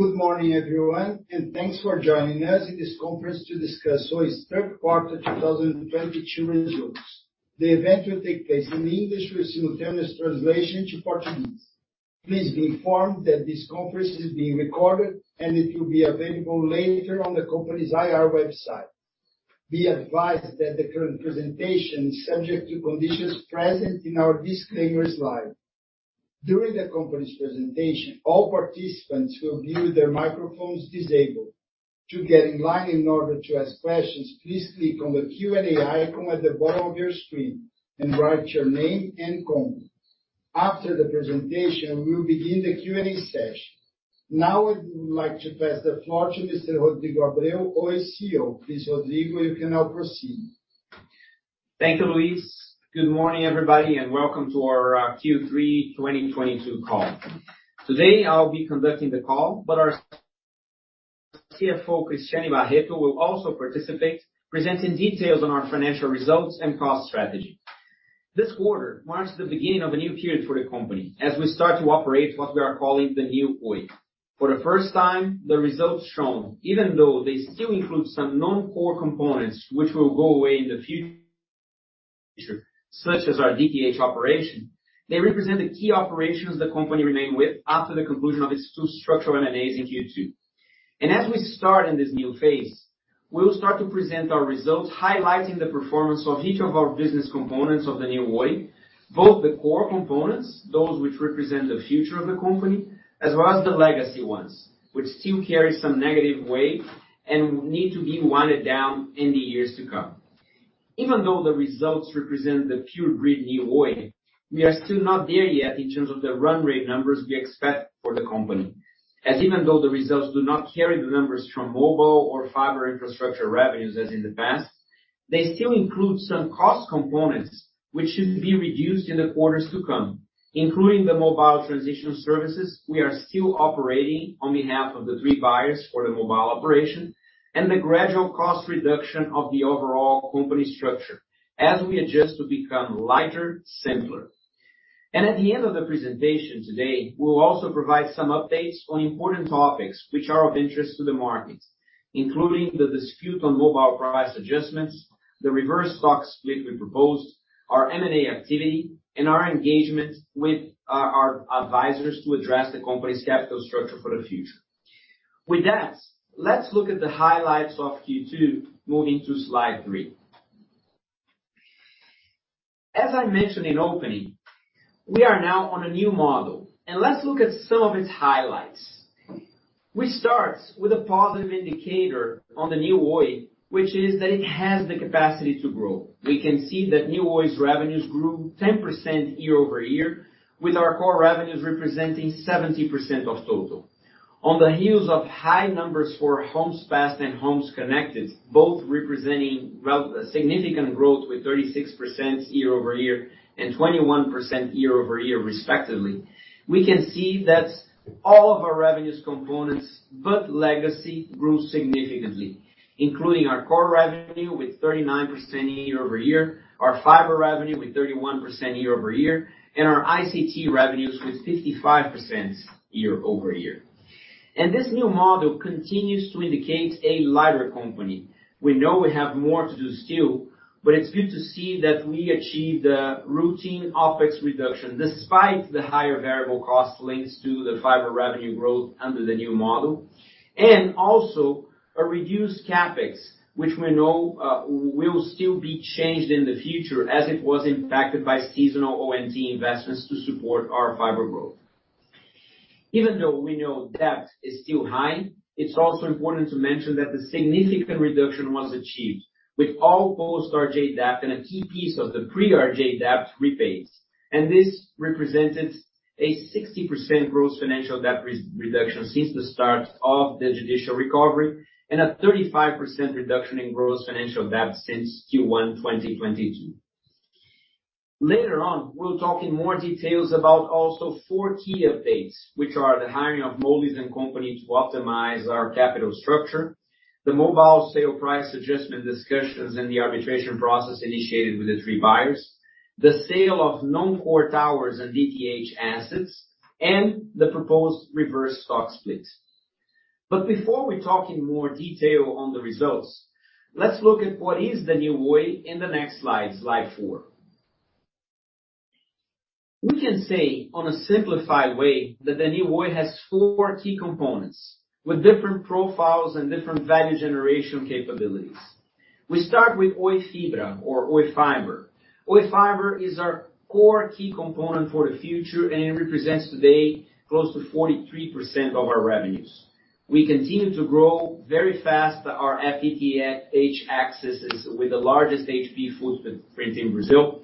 Good morning everyone, and thanks for joining us in this conference to discuss Oi's third quarter 2022 results. The event will take place in English with simultaneous translation to Portuguese. Please be informed that this conference is being recorded, and it will be available later on the company's IR website. Be advised that the current presentation is subject to conditions present in our disclaimer slide. During the company's presentation, all participants will have their microphones disabled. To get in line in order to ask questions, please click on the Q&A icon at the bottom of your screen and write your name and company. After the presentation, we will begin the Q&A session. Now, I would like to pass the floor to Mr. Rodrigo Abreu, Oi's CEO. Please, Rodrigo, you can now proceed. Thank you, Luis. Good morning, everybody, and welcome to our Q3 2022 call. Today, I'll be conducting the call, but our CFO, Cristiane Barretto, will also participate, presenting details on our financial results and cost strategy. This quarter marks the beginning of a new period for the company as we start to operate what we are calling the New Oi. For the first time, the results shown, even though they still include some non-core components, which will go away in the future, such as our DTH operation, they represent the key operations the company remained with after the conclusion of its two structural M&As in Q2. As we start in this new phase, we will start to present our results, highlighting the performance of each of our business components of the New Oi, both the core components, those which represent the future of the company, as well as the legacy ones, which still carry some negative weight and will need to be wound down in the years to come. Even though the results represent the purely rebranded New Oi, we are still not there yet in terms of the run rate numbers we expect for the company. As even though the results do not carry the numbers from mobile or fiber infrastructure revenues as in the past, they still include some cost components, which should be reduced in the quarters to come, including the mobile transitional services we are still operating on behalf of the three buyers for the mobile operation and the gradual cost reduction of the overall company structure as we adjust to become lighter, simpler. At the end of the presentation today, we'll also provide some updates on important topics which are of interest to the markets, including the dispute on mobile price adjustments, the reverse stock split we proposed, our M&A activity, and our engagement with our advisors to address the company's capital structure for the future. With that, let's look at the highlights of Q2, moving to Slide 3. As I mentioned in opening, we are now on a new model, and let's look at some of its highlights. We start with a positive indicator on the New Oi, which is that it has the capacity to grow. We can see that New Oi's revenues grew 10% year-over-year, with our core revenues representing 70% of total. On the heels of high numbers for homes passed and homes connected, both representing well, a significant growth with 36% year-over-year and 21% year-over-year respectively, we can see that all of our revenues components, but legacy grew significantly, including our core revenue with 39% year-over-year, our fiber revenue with 31% year-over-year, and our ICT revenues with 55% year-over-year. This new model continues to indicate a lighter company. We know we have more to do still, but it's good to see that we achieved a routine OpEx reduction despite the higher variable cost links to the fiber revenue growth under the new model, and also a reduced CapEx, which we know, will still be changed in the future as it was impacted by seasonal O&D investments to support our fiber growth. Even though we know debt is still high, it's also important to mention that the significant reduction was achieved with all post RJ debt and a key piece of the pre-RJ debt repaid. This represented a 60% gross financial debt reduction since the start of the judicial recovery and a 35% reduction in gross financial debt since Q1, 2022. Later on, we'll talk in more details about also four key updates, which are the hiring of Moelis & Company to optimize our capital structure, the mobile sale price adjustment discussions and the arbitration process initiated with the three buyers, the sale of non-core towers and DTH assets, and the proposed reverse stock split. Before we talk in more detail on the results, let's look at what is the new Oi in the next Slide 4. We can say in a simplified way that the new Oi has four key components with different profiles and different value generation capabilities. We start with Oi Fibra or Oi Fibra. Oi Fibra is our core key component for the future, and it represents today close to 43% of our revenues. We continue to grow very fast our FTTH accesses with the largest HP footprint in Brazil.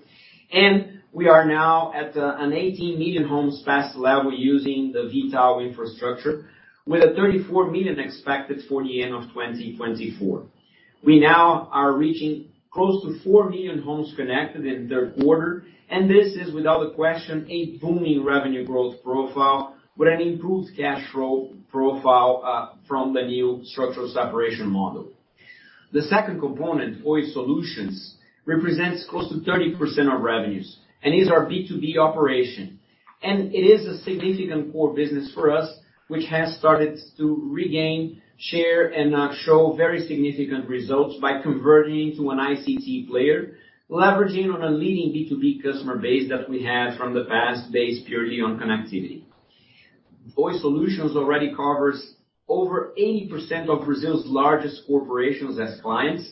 We are now at an 18 million homes passed level using the V.tal infrastructure with a 34 million expected for the end of 2024. We now are reaching close to 4 million homes connected in the third quarter, and this is, without a question, a booming revenue growth profile with an improved cash flow profile from the new structural separation model. The second component, Oi Soluções, represents close to 30% of revenues and is our B2B operation. It is a significant core business for us, which has started to regain share and now show very significant results by converting to an ICT player, leveraging on a leading B2B customer base that we have from the past based purely on connectivity. Oi Soluções already covers over 80% of Brazil's largest corporations as clients.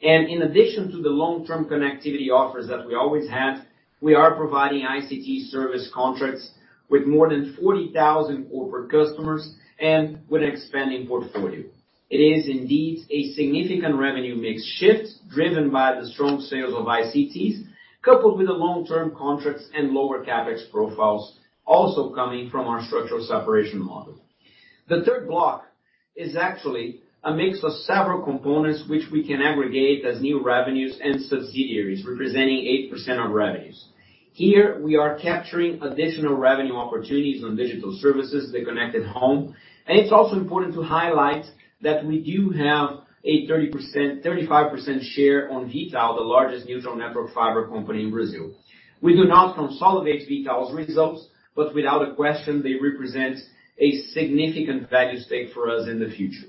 In addition to the long-term connectivity offers that we always had, we are providing ICT service contracts with more than 40,000 corporate customers and with an expanding portfolio. It is indeed a significant revenue mix shift driven by the strong sales of ICTs, coupled with the long-term contracts and lower CapEx profiles also coming from our structural separation model. The third block is actually a mix of several components which we can aggregate as new revenues and subsidiaries, representing 8% of revenues. Here, we are capturing additional revenue opportunities on digital services, the connected home. It's also important to highlight that we do have a 30%-35% share on V.tal, the largest neutral network fiber company in Brazil. We do not consolidate V.tal's results, but without question, they represent a significant value stake for us in the future.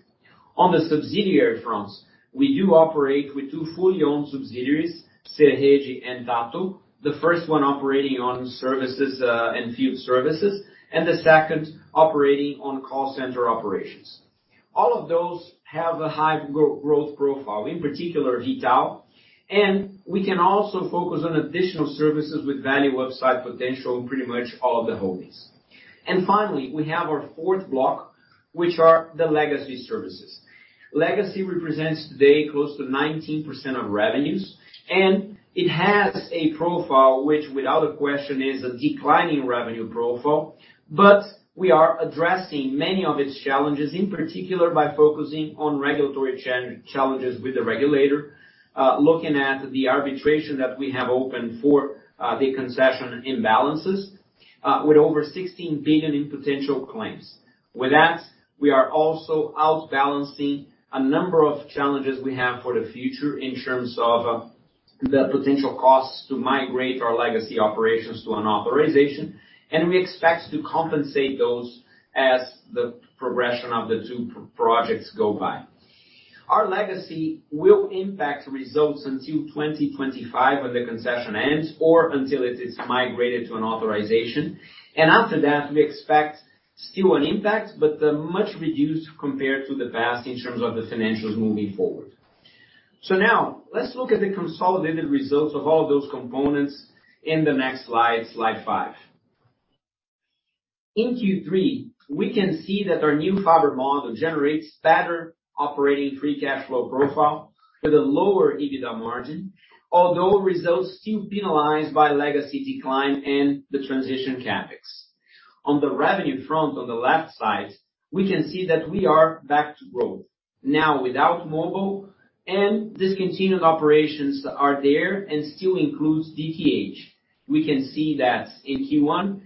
On the subsidiary front, we do operate with two fully owned subsidiaries, Serede and Tahto. The first one operating on services and field services, and the second operating on call center operations. All of those have a high growth profile, in particular, V.tal. We can also focus on additional services with value upside potential in pretty much all of the holdings. Finally, we have our fourth block, which are the legacy services. Legacy represents today close to 19% of revenues, and it has a profile which, without a question, is a declining revenue profile. We are addressing many of its challenges, in particular by focusing on regulatory challenges with the regulator, looking at the arbitration that we have open for the concession imbalances with over 16 billion in potential claims. With that, we are also outbalancing a number of challenges we have for the future in terms of the potential costs to migrate our legacy operations to an authorization, and we expect to compensate those as the progression of the two projects go by. Our legacy will impact results until 2025 when the concession ends or until it is migrated to an authorization. After that, we expect still an impact, but much reduced compared to the past in terms of the financials moving forward. Now let's look at the consolidated results of all those components in the next Slide 5. In Q3, we can see that our new fiber model generates better operating free cash flow profile with a lower EBITDA margin, although results still penalized by legacy decline and the transition CapEx. On the revenue front, on the left side, we can see that we are back to growth. Now, without Mobile and discontinued operations are there and still includes DTH. We can see that in Q1,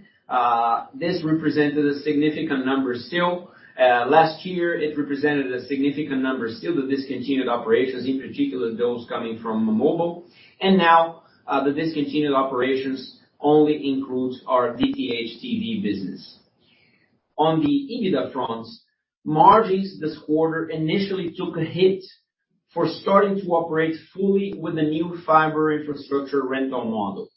this represented a significant number still. Last year, it represented a significant number still, the discontinued operations, in particular, those coming from Mobile. Now, the discontinued operations only includes our DTH TV business. On the EBITDA front, margins this quarter initially took a hit for starting to operate fully with the new fiber infrastructure rental model.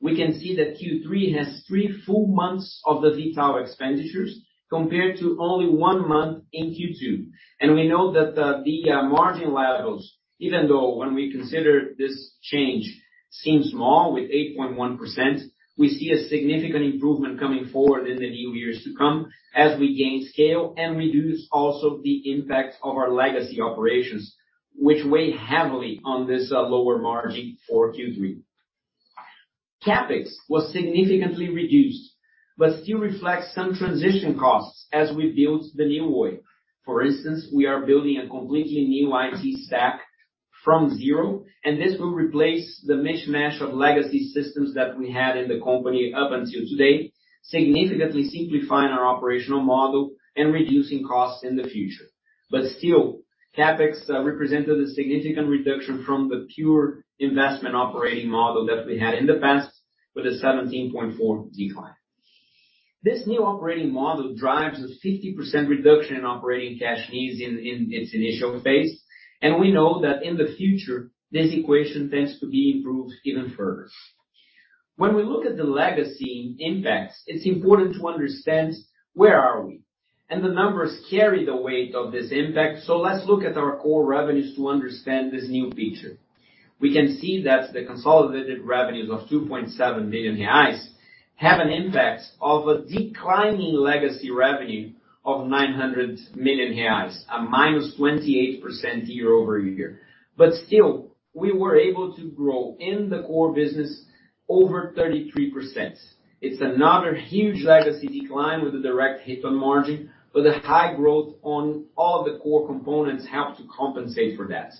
We can see that Q3 has three full months of the V.tal expenditures, compared to only one month in Q2. We know that the margin levels, even though when we consider this change, seem small with 8.1%, we see a significant improvement coming forward in the new years to come as we gain scale and reduce also the impact of our legacy operations, which weigh heavily on this lower margin for Q3. CapEx was significantly reduced, but still reflects some transition costs as we build the New Oi. For instance, we are building a completely new IT stack from zero, and this will replace the mishmash of legacy systems that we had in the company up until today, significantly simplifying our operational model and reducing costs in the future. Still, CapEx represented a significant reduction from the pure investment operating model that we had in the past with a 17.4% decline. This new operating model drives a 50% reduction in operating cash needs in its initial phase, and we know that in the future, this equation tends to be improved even further. When we look at the legacy impacts, it's important to understand where are we? The numbers carry the weight of this impact, so let's look at our core revenues to understand this new picture. We can see that the consolidated revenues of 2.7 billion reais have an impact of a declining legacy revenue of 900 million reais, a -28% year-over-year. Still, we were able to grow in the core business over 33%. It's another huge legacy decline with a direct hit on margin, but the high growth on all the core components help to compensate for that.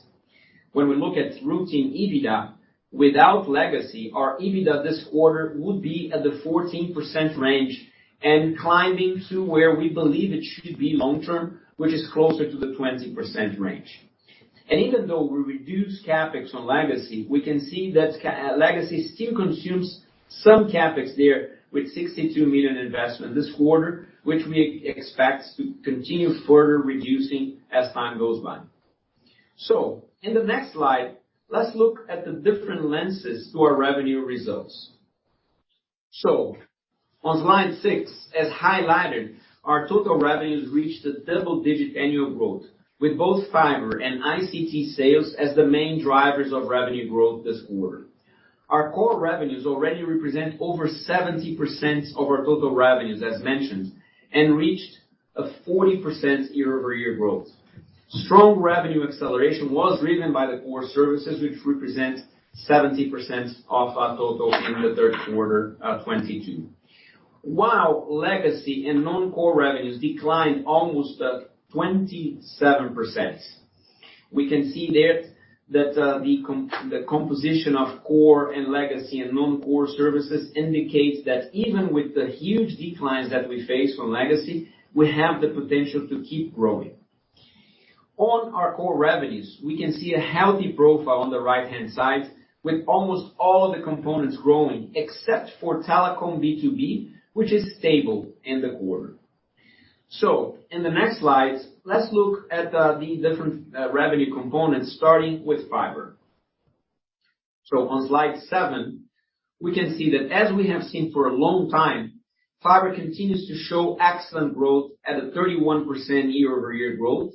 When we look at recurring EBITDA without legacy, our EBITDA this quarter would be at the 14% range and climbing to where we believe it should be long-term, which is closer to the 20% range. Even though we reduced CapEx on legacy, we can see that legacy still consumes some CapEx there with 62 million investment this quarter, which we expect to continue further reducing as time goes by. In the next slide, let's look at the different lenses to our revenue results. On Slide 6, as highlighted, our total revenues reached a double-digit annual growth, with both fiber and ICT sales as the main drivers of revenue growth this quarter. Our core revenues already represent over 70% of our total revenues, as mentioned, and reached a 40% year-over-year growth. Strong revenue acceleration was driven by the core services, which represent 70% of our total in the third quarter of 2022. While legacy and non-core revenues declined almost at 27%. We can see there that, the composition of core and legacy and non-core services indicates that even with the huge declines that we face from legacy, we have the potential to keep growing. On our core revenues, we can see a healthy profile on the right-hand side with almost all of the components growing, except for telecom B2B, which is stable in the quarter. In the next slides, let's look at the different revenue components, starting with fiber. On Slide 7, we can see that as we have seen for a long time, fiber continues to show excellent growth at a 31% year-over-year growth.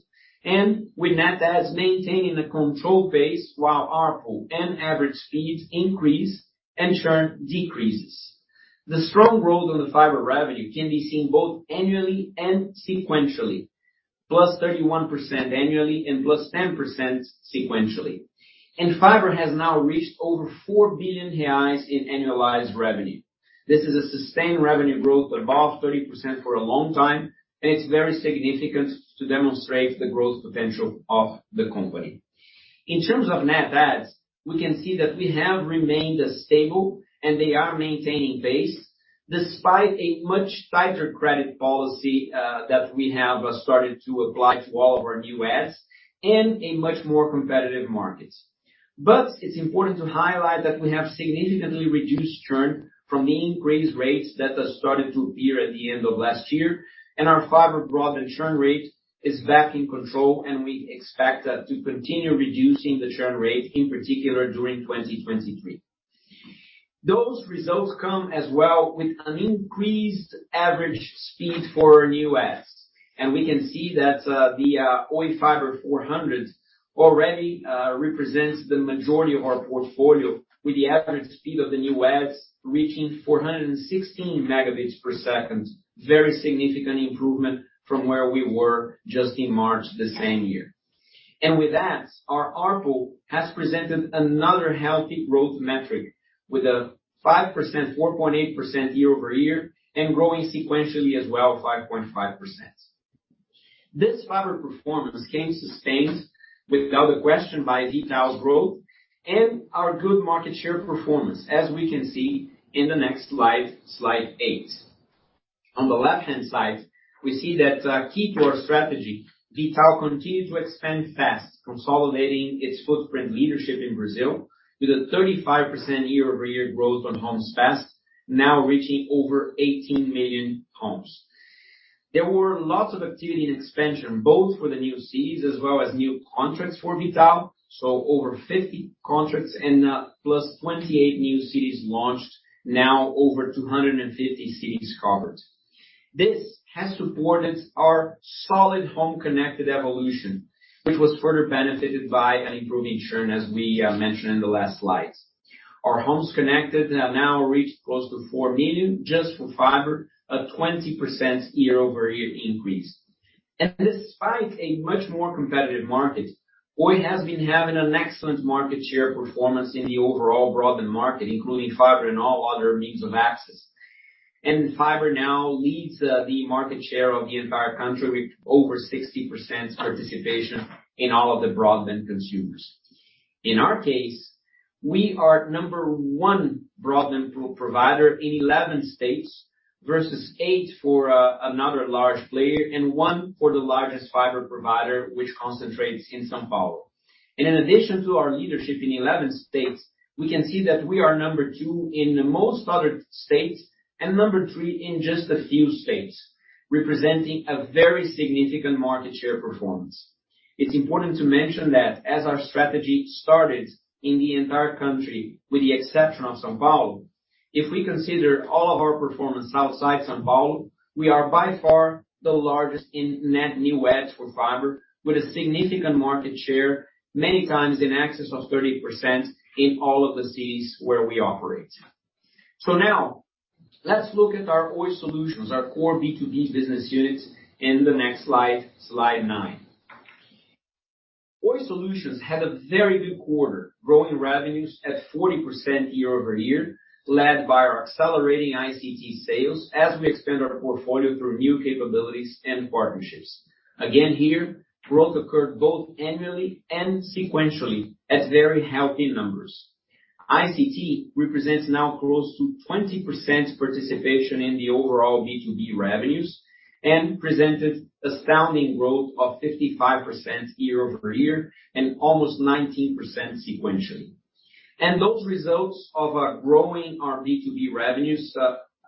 With net adds maintaining a controlled base while ARPU and average speeds increase and churn decreases. The strong growth on the fiber revenue can be seen both annually and sequentially, +31% annually and +10% sequentially. Fiber has now reached over 4 billion reais in annualized revenue. This is a sustained revenue growth above 30% for a long time, and it's very significant to demonstrate the growth potential of the company. In terms of net adds, we can see that we have remained stable, and they are maintaining pace despite a much tighter credit policy that we have started to apply to all of our new adds, in a much more competitive market. It's important to highlight that we have significantly reduced churn from the increased rates that has started to appear at the end of last year, and our fiber broadband churn rate is back in control, and we expect that to continue reducing the churn rate, in particular, during 2023. Those results come as well with an increased average speed for new adds. We can see that the Oi Fibra 400 already represents the majority of our portfolio, with the average speed of the new adds reaching 416 Mbps. Very significant improvement from where we were just in March the same year. With that, our ARPU has presented another healthy growth metric with a 5%, 4.8% year-over-year and growing sequentially as well, 5.5%. This fiber performance was sustained without question by V.tal growth and our good market share performance, as we can see in the next Slide 8. On the left-hand side, we see that, key to our strategy, V.tal continued to expand fast, consolidating its footprint leadership in Brazil with a 35% year-over-year growth on homes passed, now reaching over 18 million homes. There were lots of activity and expansion, both for the new cities as well as new contracts for V.tal. Over 50 contracts and +28 new cities launched, now over 250 cities covered. This has supported our solid home connected evolution, which was further benefited by an improving churn as we mentioned in the last slides. Our homes connected have now reached close to 4 million just for fiber, a 20% year-over-year increase. Despite a much more competitive market, Oi has been having an excellent market share performance in the overall broadband market, including fiber and all other means of access. Fiber now leads the market share of the entire country with over 60% participation in all of the broadband consumers. In our case, we are number one broadband provider in 11 states versus eight for another large player and one for the largest fiber provider, which concentrates in São Paulo. In addition to our leadership in 11 states, we can see that we are number two in the most other states and number three in just a few states, representing a very significant market share performance. It's important to mention that as our strategy started in the entire country, with the exception of São Paulo, if we consider all of our performance outside São Paulo, we are by far the largest in net new adds for fiber with a significant market share, many times in excess of 30% in all of the cities where we operate. Now let's look at our Oi Soluções, our core B2B business units in the next Slide 9. Oi Soluções had a very good quarter, growing revenues at 40% year-over-year, led by our accelerating ICT sales as we expand our portfolio through new capabilities and partnerships. Again here, growth occurred both annually and sequentially at very healthy numbers. ICT represents now close to 20% participation in the overall B2B revenues and presented astounding growth of 55% year-over-year and almost 19% sequentially. Those results of our growing our B2B revenues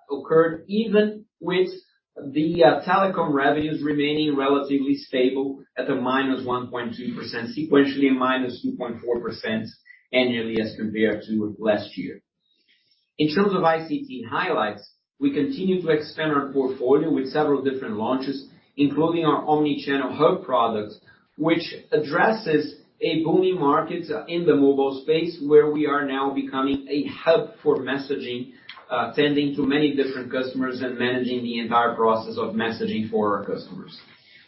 occurred even with the telecom revenues remaining relatively stable at a -1.2% sequentially and -2.4% annually as compared to last year. In terms of ICT highlights, we continue to expand our portfolio with several different launches, including our omni-channel hub products, which addresses a booming market in the mobile space, where we are now becoming a hub for messaging, tending to many different customers and managing the entire process of messaging for our customers.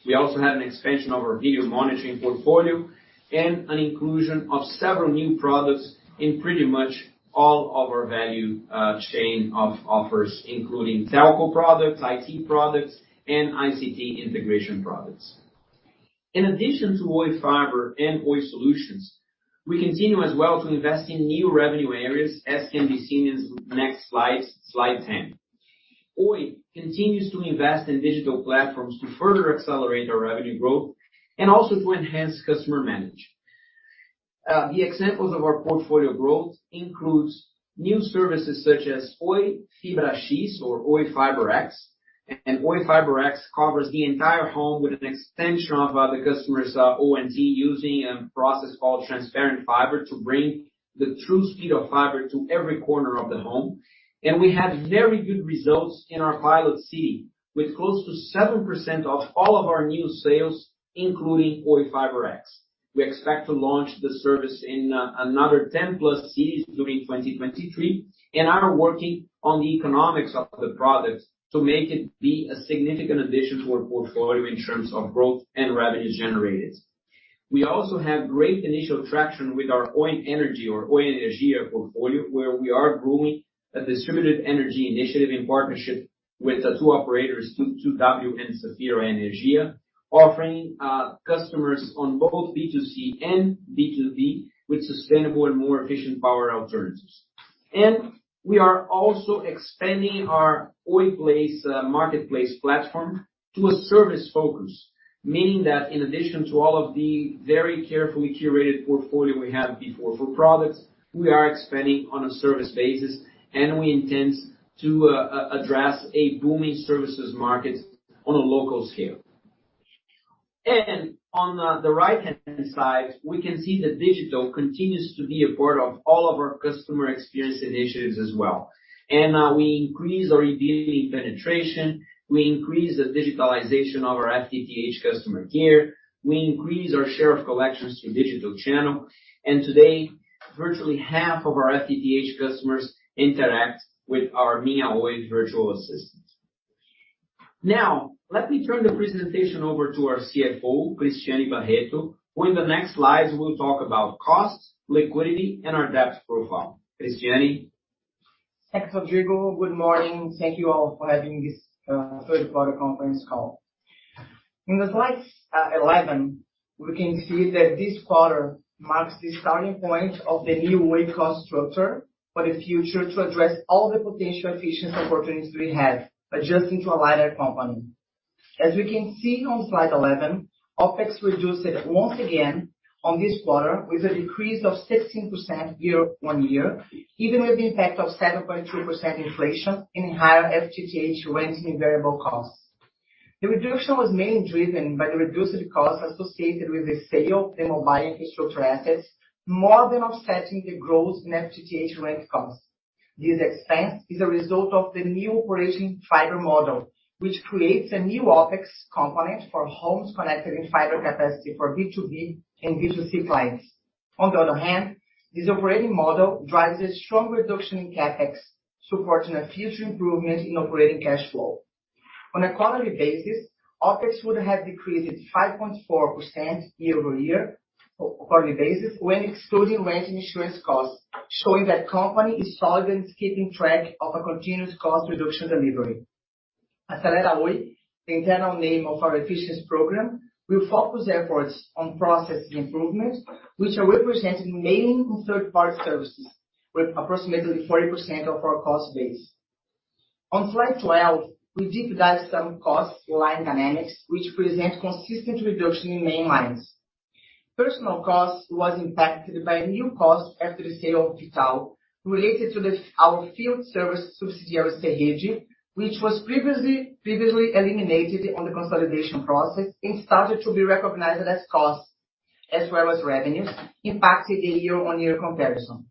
We also had an expansion of our video monitoring portfolio and an inclusion of several new products in pretty much all of our value chain of offers, including telco products, IT products, and ICT integration products. In addition to Oi Fibra and Oi Soluções, we continue as well to invest in new revenue areas as can be seen in the next slides, Slide 10. Oi continues to invest in digital platforms to further accelerate our revenue growth and also to enhance customer management. The examples of our portfolio growth includes new services such as Oi Fibra X or Oi Fibra X. Oi Fibra X covers the entire home with an extension of the customer's ONT using a process called transparent fiber to bring the true speed of fiber to every corner of the home. We had very good results in our pilot city, with close to 7% of all of our new sales, including Oi Fibra X. We expect to launch the service in another 10 plus cities during 2023, and are working on the economics of the products to make it be a significant addition to our portfolio in terms of growth and revenues generated. We also have great initial traction with our Oi Energia portfolio, where we are growing a distributed energy initiative in partnership with the two operators, 2W and Safira Energia, offering customers on both B2C and B2B with sustainable and more efficient power alternatives. We are also expanding our Oi Place marketplace platform to a service focus, meaning that in addition to all of the very carefully curated portfolio we had before for products, we are expanding on a service basis, and we intend to address a booming services market on a local scale. On the right-hand side, we can see that digital continues to be a part of all of our customer experience initiatives as well. We increase our e-billing penetration, we increase the digitalization of our FTTH customer care, we increase our share of collections through digital channel. Today, virtually half of our FTTH customers interact with our Minha Oi virtual assistants. Now, let me turn the presentation over to our CFO, Cristiane Barretto, who in the next slides will talk about costs, liquidity, and our debt profile. Cristiane. Thanks, Rodrigo. Good morning. Thank you all for having this, third quarter conference call. In the Slides, 11, we can see that this quarter marks the starting point of the new Oi cost structure for the future to address all the potential efficiency opportunities we have, adjusting to a lighter company. As we can see on Slide 11, OpEx reduced once again on this quarter, with a decrease of 16% year-on-year, even with the impact of 7.2% inflation and higher FTTH rents and variable costs. The reduction was mainly driven by the reduced costs associated with the sale of the mobile infrastructure assets, more than offsetting the growth in FTTH rent costs. This expense is a result of the new operating fiber model, which creates a new OpEx component for homes connected in fiber capacity for B2B and B2C clients. On the other hand, this operating model drives a strong reduction in CapEx, supporting a future improvement in operating cash flow. On a quarterly basis, OpEx would have decreased 5.4% year-over-year, quarterly basis, when excluding rent and insurance costs, showing the company is solid and is keeping track of a continuous cost reduction delivery. Acelera Oi, the internal name of our efficiency program, will focus efforts on process improvements, which are represented mainly in third-party services, with approximately 40% of our cost base. On Slide 12, we deep dive some costs line dynamics, which present consistent reduction in main lines. Personnel costs was impacted by new costs after the sale of V.tal, related to this, our field service subsidiary, Serede, which was previously eliminated on the consolidation process and started to be recognized as costs, as well as revenues, impacting a year-on-year comparison.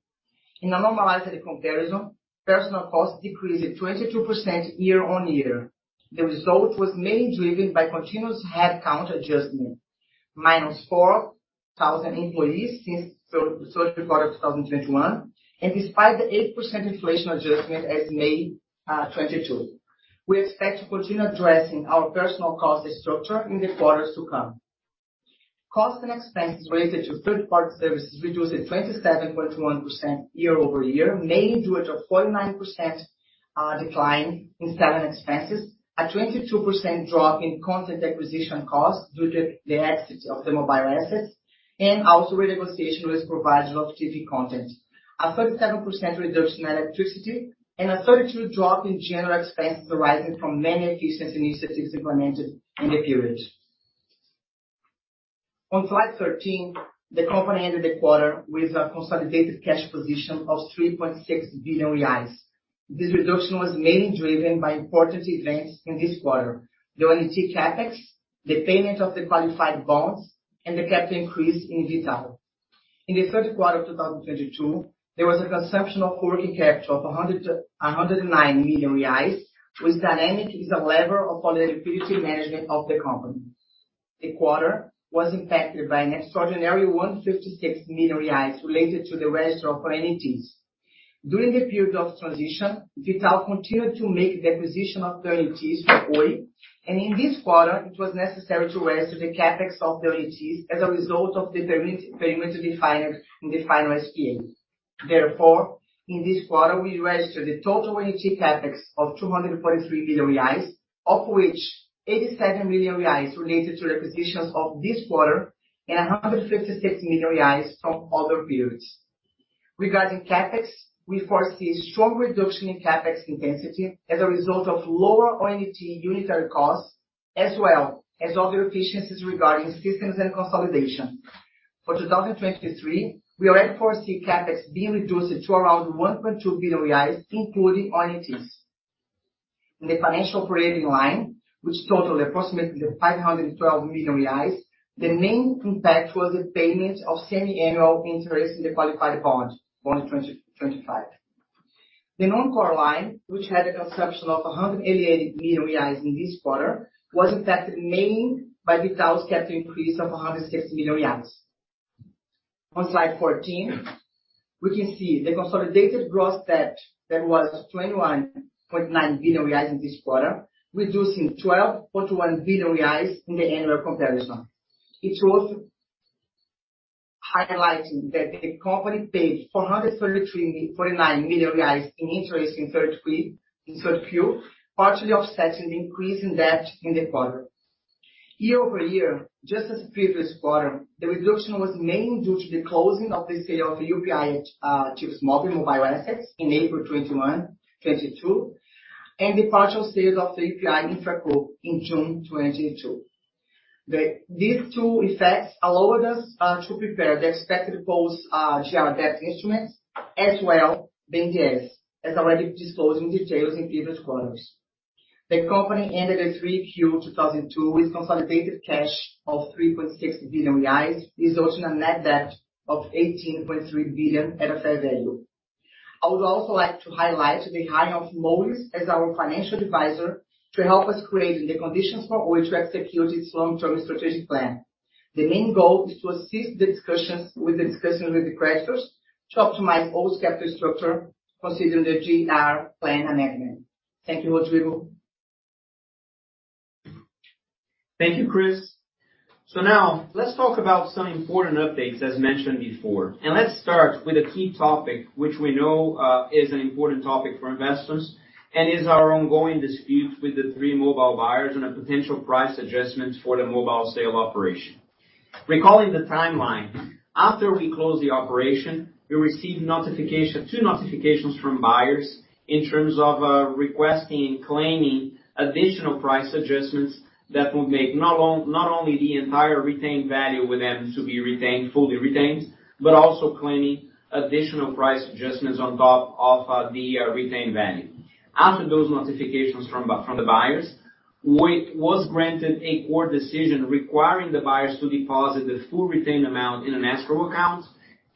In a normalized comparison, personnel costs decreased 22% year-over-year. The result was mainly driven by continuous headcount adjustment, minus 4,000 employees since third quarter of 2021. Despite the 8% inflation adjustment as of May 2022. We expect to continue addressing our personnel cost structure in the quarters to come. Costs and expenses related to third-party services reduced 27.1% year-over-year, mainly due to 49% decline in selling expenses, a 22% drop in content acquisition costs due to the exit of the mobile assets and also renegotiation with providers of TV content. A 37% reduction in electricity and a 32% drop in general expenses arising from many efficiency initiatives implemented in the period. On Slide 13, the company ended the quarter with a consolidated cash position of 3.6 billion reais. This reduction was mainly driven by important events in this quarter. The OLT CapEx, the payment of the qualified debentures, and the capital increase in V.tal. In the third quarter of 2022, there was a consumption of working capital of 109 million reais, which dynamic is a level of liquidity management of the company. The quarter was impacted by an extraordinary 156 million reais related to the register of OLTs. During the period of transition, V.tal continued to make the acquisition of OLTs for Oi, and in this quarter, it was necessary to register the CapEx of the OLTs as a result of the payment agreement defined in the final SPA. Therefore, in this quarter, we registered the total OLT CapEx of 243 million reais, of which 87 million reais related to acquisitions of this quarter and 156 million reais from other periods. Regarding CapEx, we first see a strong reduction in CapEx intensity as a result of lower OLT unitary costs, as well as other efficiencies regarding systems and consolidation. For 2023, we already foresee CapEx being reduced to around 1.2 billion reais, including OLTs. In the financial operating line, which totaled approximately 512 million reais, the main impact was the payment of semi-annual interest in the qualified debentures, bond 2025. The non-core line, which had a consumption of 188 million reais in this quarter, was impacted mainly by V.tal's capital increase of 160 million reais. On Slide 14, we can see the consolidated gross debt that was 21.9 billion reais in this quarter, reducing 12.1 billion reais in the annual comparison. It's worth highlighting that the company paid 49 million reais in interest in third Q, partially offsetting the increase in debt in the quarter. Year-over-year, just as the previous quarter, the reduction was mainly due to the closing of the sale of UPI Mobile Assets in April 2022, and the partial sales of the UPI InfraCo in June 2022. These two effects allowed us to prepare the expected post-JR debt instruments, as well as the NDS, as already disclosed in details in previous quarters. The company ended Q3 2022 with consolidated cash of 3.6 billion reais, resulting in a net debt of 18.3 billion at a fair value. I would also like to highlight the hire of Moelis as our financial advisor to help us create the conditions for Oi to execute its long-term strategic plan. The main goal is to assist the discussions with the creditors to optimize Oi's capital structure, considering the JR plan amendment. Thank you, Rodrigo. Thank you, Chris. Now let's talk about some important updates as mentioned before. Let's start with a key topic, which we know is an important topic for investors, and is our ongoing dispute with the three mobile buyers and a potential price adjustments for the mobile sale operation. Recalling the timeline, after we closed the operation, we received notification, two notifications from buyers in terms of requesting and claiming additional price adjustments that would make not only the entire retained value with them to be retained, fully retained, but also claiming additional price adjustments on top of the retained value. After those notifications from the buyers, Oi was granted a court decision requiring the buyers to deposit the full retained amount in an escrow account,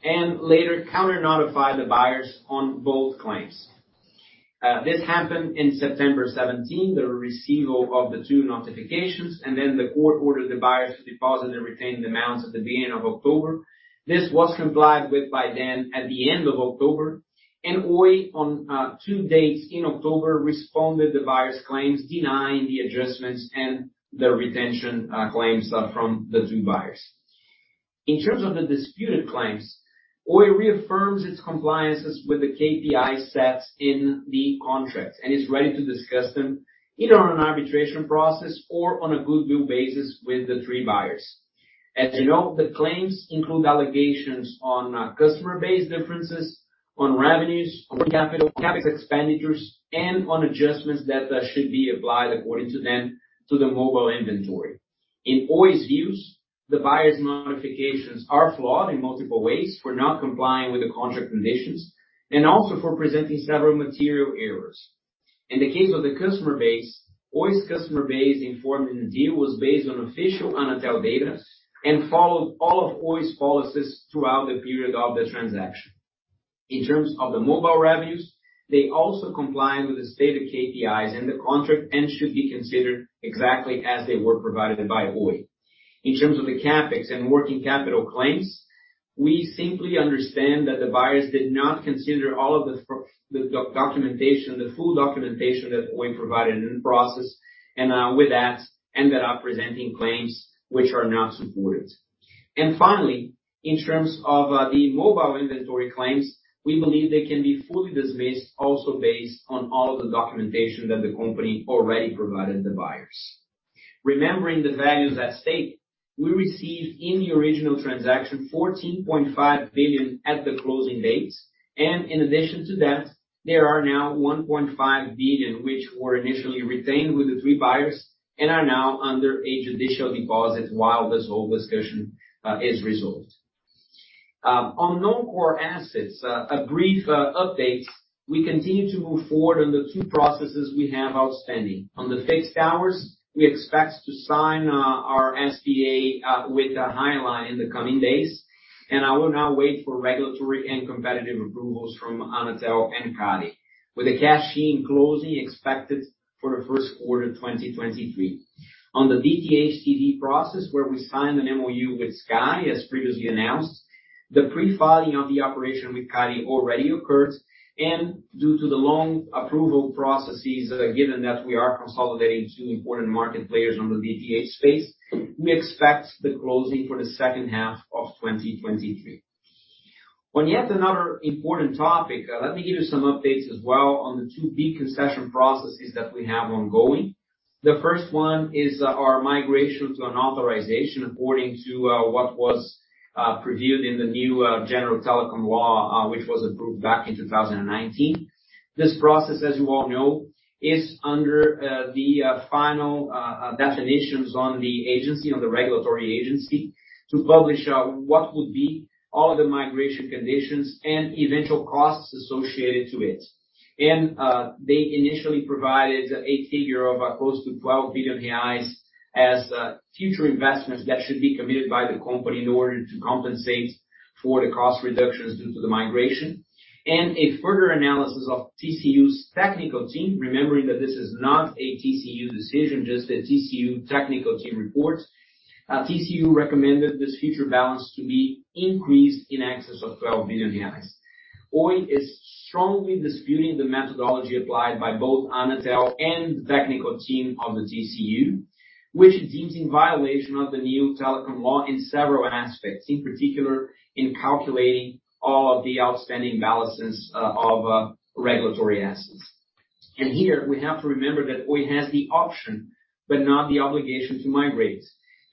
and later counter-notify the buyers on both claims. This happened in September 17, the receipt of the two notifications, and then the court ordered the buyers to deposit and retain the amounts at the beginning of October. This was complied with by the end of October. Oi on two dates in October responded to the buyers' claims, denying the adjustments and the retention claims from the two buyers. In terms of the disputed claims, Oi reaffirms its compliance with the KPIs set in the contract and is ready to discuss them either on an arbitration process or on a good faith basis with the three buyers. As you know, the claims include allegations on customer base differences, on revenues, on working capital, on CapEx expenditures, and on adjustments that should be applied according to them to the mobile inventory. In Oi's views, the buyer's modifications are flawed in multiple ways for not complying with the contract conditions and also for presenting several material errors. In the case of the customer base, Oi's customer base informed in the deal was based on official Anatel data and followed all of Oi's policies throughout the period of the transaction. In terms of the mobile revenues, they also comply with the stated KPIs in the contract and should be considered exactly as they were provided by Oi. In terms of the CapEx and working capital claims. We simply understand that the buyers did not consider all of the documentation, the full documentation that we provided in the process, and with that, ended up presenting claims which are not supported. Finally, in terms of the mobile inventory claims, we believe they can be fully dismissed also based on all the documentation that the company already provided the buyers. Remembering the values at stake, we received in the original transaction 14.5 billion at the closing dates. In addition to that, there are now 1.5 billion, which were initially retained with the three buyers and are now under a judicial deposit while this whole discussion is resolved. On non-core assets, a brief update. We continue to move forward on the two processes we have outstanding. On the fixed towers, we expect to sign our SPA with Highline in the coming days, and I will now wait for regulatory and competitive approvals from Anatel and CADE, with the cash closing expected for the first quarter of 2023. On the DTH sale process, where we signed an MOU with Sky, as previously announced, the pre-filing of the operation with CADE already occurred, and due to the long approval processes, given that we are consolidating two important market players on the DTH space, we expect the closing for the second half of 2023. On yet another important topic, let me give you some updates as well on the two big concession processes that we have ongoing. The first one is our migration to an authorization according to what was previewed in the new general telecom law, which was approved back in 2019. This process, as you all know, is under the final definitions on the agency, on the regulatory agency, to publish what would be all the migration conditions and eventual costs associated to it. They initially provided a figure of close to 12 billion reais as future investments that should be committed by the company in order to compensate for the cost reductions due to the migration. A further analysis of TCU's technical team, remembering that this is not a TCU decision, just a TCU technical team report, TCU recommended this future balance to be increased in excess of 12 billion reais. Oi is strongly disputing the methodology applied by both Anatel and the technical team of the TCU, which it deems in violation of the new telecom law in several aspects, in particular in calculating all the outstanding balances of regulatory assets. Here we have to remember that Oi has the option, but not the obligation to migrate.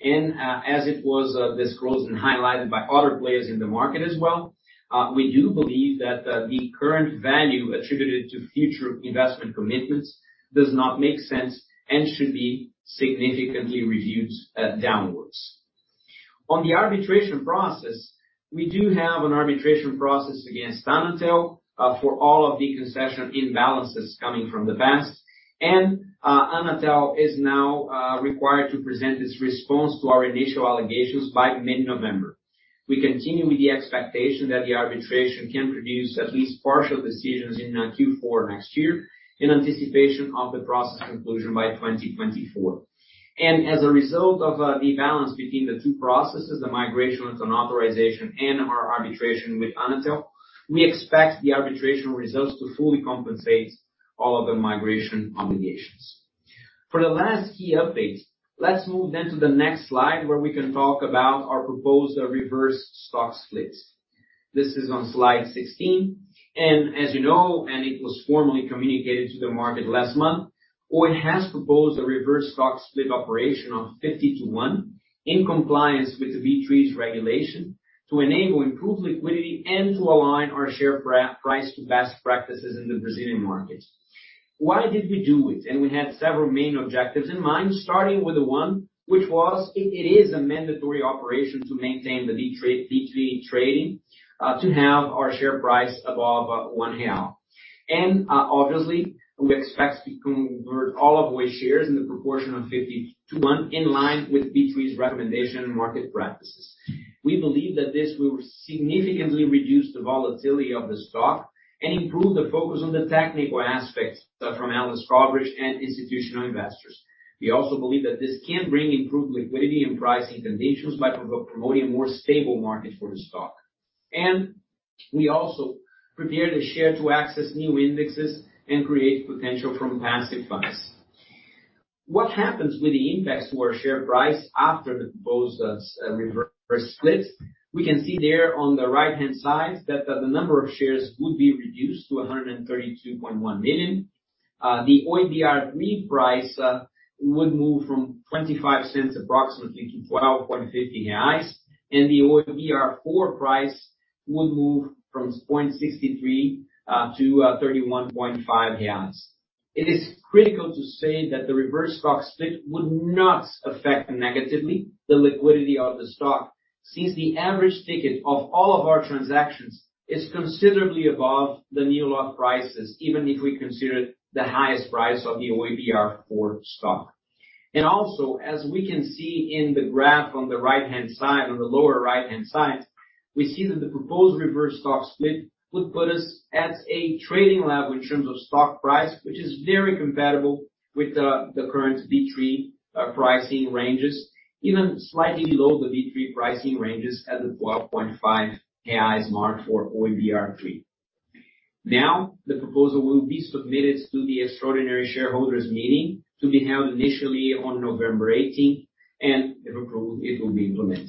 As it was disclosed and highlighted by other players in the market as well, we do believe that the current value attributed to future investment commitments does not make sense and should be significantly reduced downwards. On the arbitration process, we do have an arbitration process against Anatel for all of the concession imbalances coming from the past. Anatel is now required to present its response to our initial allegations by mid-November. We continue with the expectation that the arbitration can produce at least partial decisions in Q4 next year, in anticipation of the process conclusion by 2024. As a result of the balance between the two processes, the migration into an authorization and our arbitration with Anatel, we expect the arbitration results to fully compensate all of the migration obligations. For the last key update, let's move then to the next slide, where we can talk about our proposed reverse stock splits. This is on Slide 16. As you know, and it was formally communicated to the market last month, Oi has proposed a reverse stock split operation of 50 to one in compliance with B3's regulation to enable improved liquidity and to align our share price to best practices in the Brazilian market. Why did we do it? We had several main objectives in mind, starting with the one, which was it is a mandatory operation to maintain the B3 trading to have our share price above 1 real. Obviously, we expect to convert all of Oi shares in the proportion of 50 to one in line with B3's recommendation and market practices. We believe that this will significantly reduce the volatility of the stock and improve the focus on the technical aspects from analyst coverage and institutional investors. We also believe that this can bring improved liquidity and pricing conditions by promoting a more stable market for the stock. We also prepare the share to access new indexes and create potential from passive funds. What happens with the impact to our share price after the proposed reverse split? We can see there on the right-hand side that the number of shares would be reduced to 132.1 million. The OIBR3 price would move from 0.25 approximately to 12.50 reais, and the OIBR4 price would move from 0.63-31.5 reais. It is critical to say that the reverse stock split would not affect negatively the liquidity of the stock, since the average ticket of all of our transactions is considerably above the new lot prices, even if we consider the highest price of the OIBR4 stock. Also, as we can see in the graph on the right-hand side, on the lower right-hand side, we see that the proposed reverse stock split would put us at a trading level in terms of stock price, which is very compatible with the current B3 pricing ranges, even slightly below the B3 pricing ranges at the 12.5 reais mark for OIBR3. Now the proposal will be submitted to the extraordinary shareholders meeting to be held initially on November eighteenth, and if approved, it will be implemented.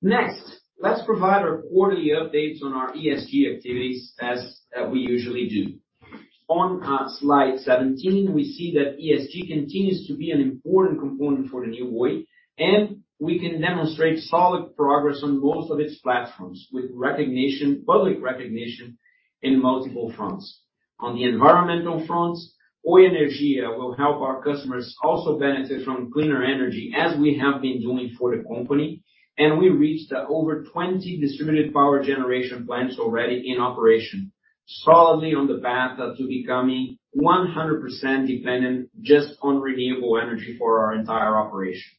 Next, let's provide our quarterly updates on our ESG activities as we usually do. On Slide 17, we see that ESG continues to be an important component for the New Oi, and we can demonstrate solid progress on most of its platforms with recognition, public recognition in multiple fronts. On the environmental fronts, Oi Energia will help our customers also benefit from cleaner energy, as we have been doing for the company, and we reached over 20 distributed power generation plants already in operation, solidly on the path to becoming 100% dependent just on renewable energy for our entire operation.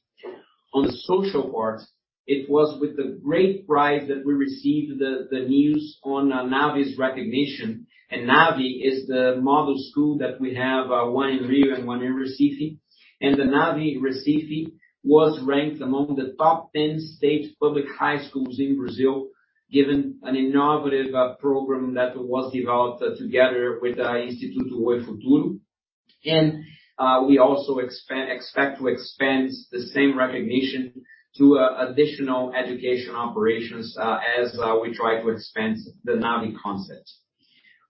On the social part, it was with the great pride that we received the news on NAVE's recognition. NAVE is the model school that we have, one in Rio and one in Recife. The NAVE Recife was ranked among the top 10 state public high schools in Brazil, given an innovative program that was developed together with Instituto Oi Futuro. We also expect to expand the same recognition to additional education operations, as we try to expand the NAVE concept.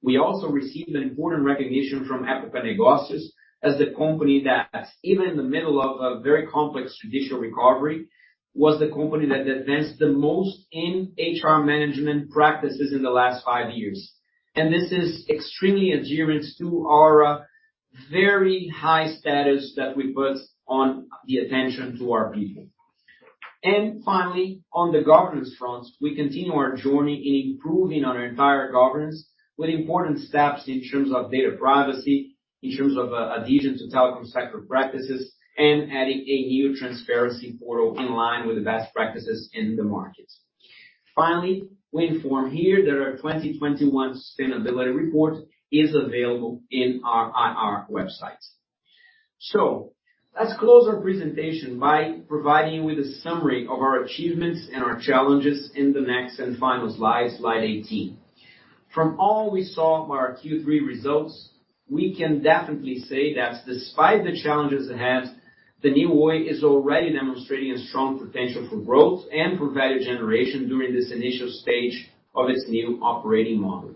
We also received an important recognition from Época Negócios as the company that, even in the middle of a very complex judicial recovery, was the company that advanced the most in HR management practices in the last five years. This is extremely adherence to our very high status that we put on the attention to our people. Finally, on the governance fronts, we continue our journey in improving our entire governance with important steps in terms of data privacy, in terms of adhesion to telecom sector practices, and adding a new transparency portal in line with the best practices in the market. Finally, we inform here that our 2021 sustainability report is available in our IR website. Let's close our presentation by providing you with a summary of our achievements and our challenges in the next and final Slide 18. From all we saw of our Q3 results, we can definitely say that despite the challenges it has, the New Oi is already demonstrating a strong potential for growth and for value generation during this initial stage of its new operating model.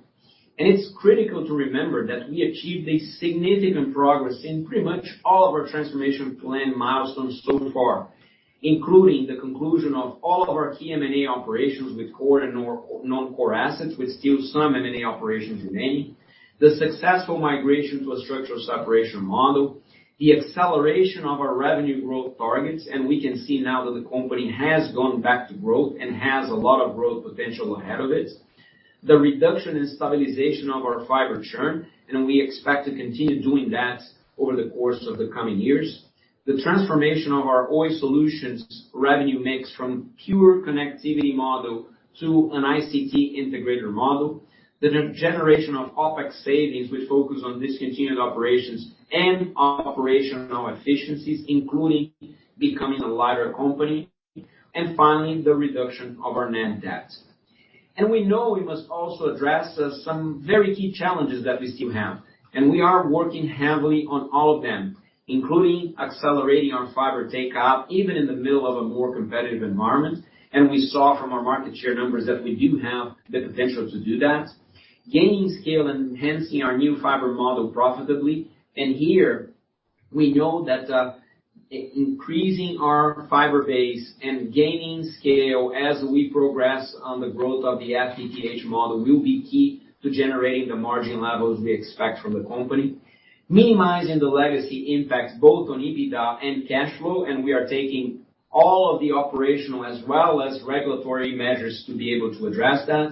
It's critical to remember that we achieved a significant progress in pretty much all of our transformation plan milestones so far, including the conclusion of all of our key M&A operations with core and non-core assets, with still some M&A operations remaining. The successful migration to a structural separation model. The acceleration of our revenue growth targets, and we can see now that the company has gone back to growth and has a lot of growth potential ahead of it. The reduction and stabilization of our fiber churn, and we expect to continue doing that over the course of the coming years. The transformation of our Oi Soluções revenue mix from pure connectivity model to an ICT integrator model. The generation of OpEx savings, which focus on discontinued operations and operational efficiencies, including becoming a lighter company. Finally, the reduction of our net debt. We know we must also address some very key challenges that we still have, and we are working heavily on all of them, including accelerating our fiber takeup, even in the middle of a more competitive environment. We saw from our market share numbers that we do have the potential to do that. Gaining scale and enhancing our new fiber model profitably. Here we know that increasing our fiber base and gaining scale as we progress on the growth of the FTTH model will be key to generating the margin levels we expect from the company. Minimizing the legacy impacts both on EBITDA and cash flow, and we are taking all of the operational as well as regulatory measures to be able to address that.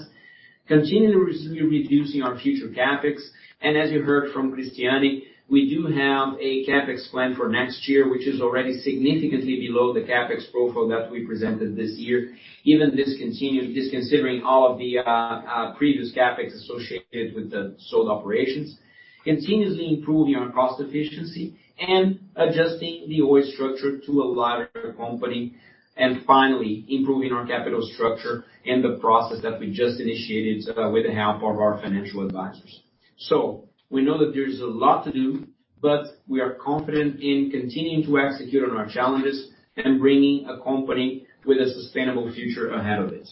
Continuously reducing our future CapEx. As you heard from Cristiane, we do have a CapEx plan for next year, which is already significantly below the CapEx profile that we presented this year. Even disconsidering all of the previous CapEx associated with the sold operations. Continuously improving our cost efficiency and adjusting the Oi structure to a lighter company. Finally, improving our capital structure in the process that we just initiated with the help of our financial advisors. We know that there's a lot to do, but we are confident in continuing to execute on our challenges and bringing a company with a sustainable future ahead of it.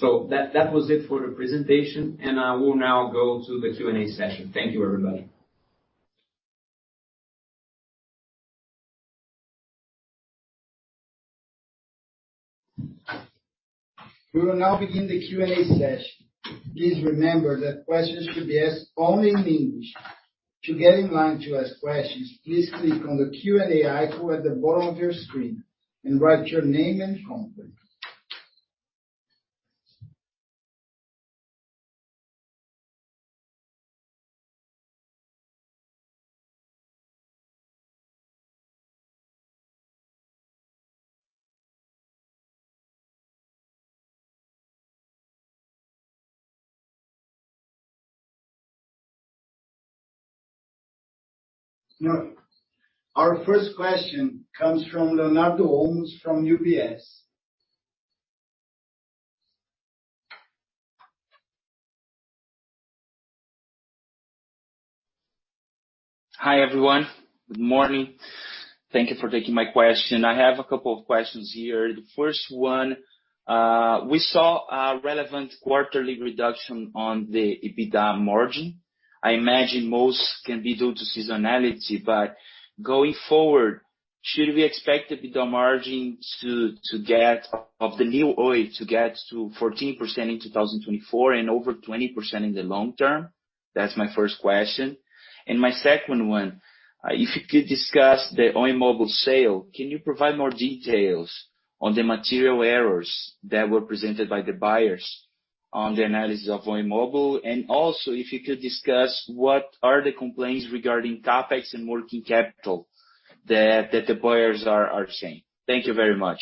That was it for the presentation, and I will now go to the Q&A session. Thank you, everybody. We will now begin the Q&A session. Please remember that questions should be asked only in English. To get in line to ask questions, please click on the Q&A icon at the bottom of your screen and write your name and company. Now our first question comes from Leonardo Olmos from UBS. Hi, everyone. Good morning. Thank you for taking my question. I have a couple of questions here. The first one, we saw a relevant quarterly reduction on the EBITDA margin. I imagine most can be due to seasonality, but going forward, should we expect EBITDA margins of the New Oi to get to 14% in 2024 and over 20% in the long term? That's my first question. My second one, if you could discuss the Oi Móvel sale, can you provide more details on the material errors that were presented by the buyers on the analysis of Oi Móvel? Also, if you could discuss what are the complaints regarding CapEx and working capital that the buyers are saying. Thank you very much.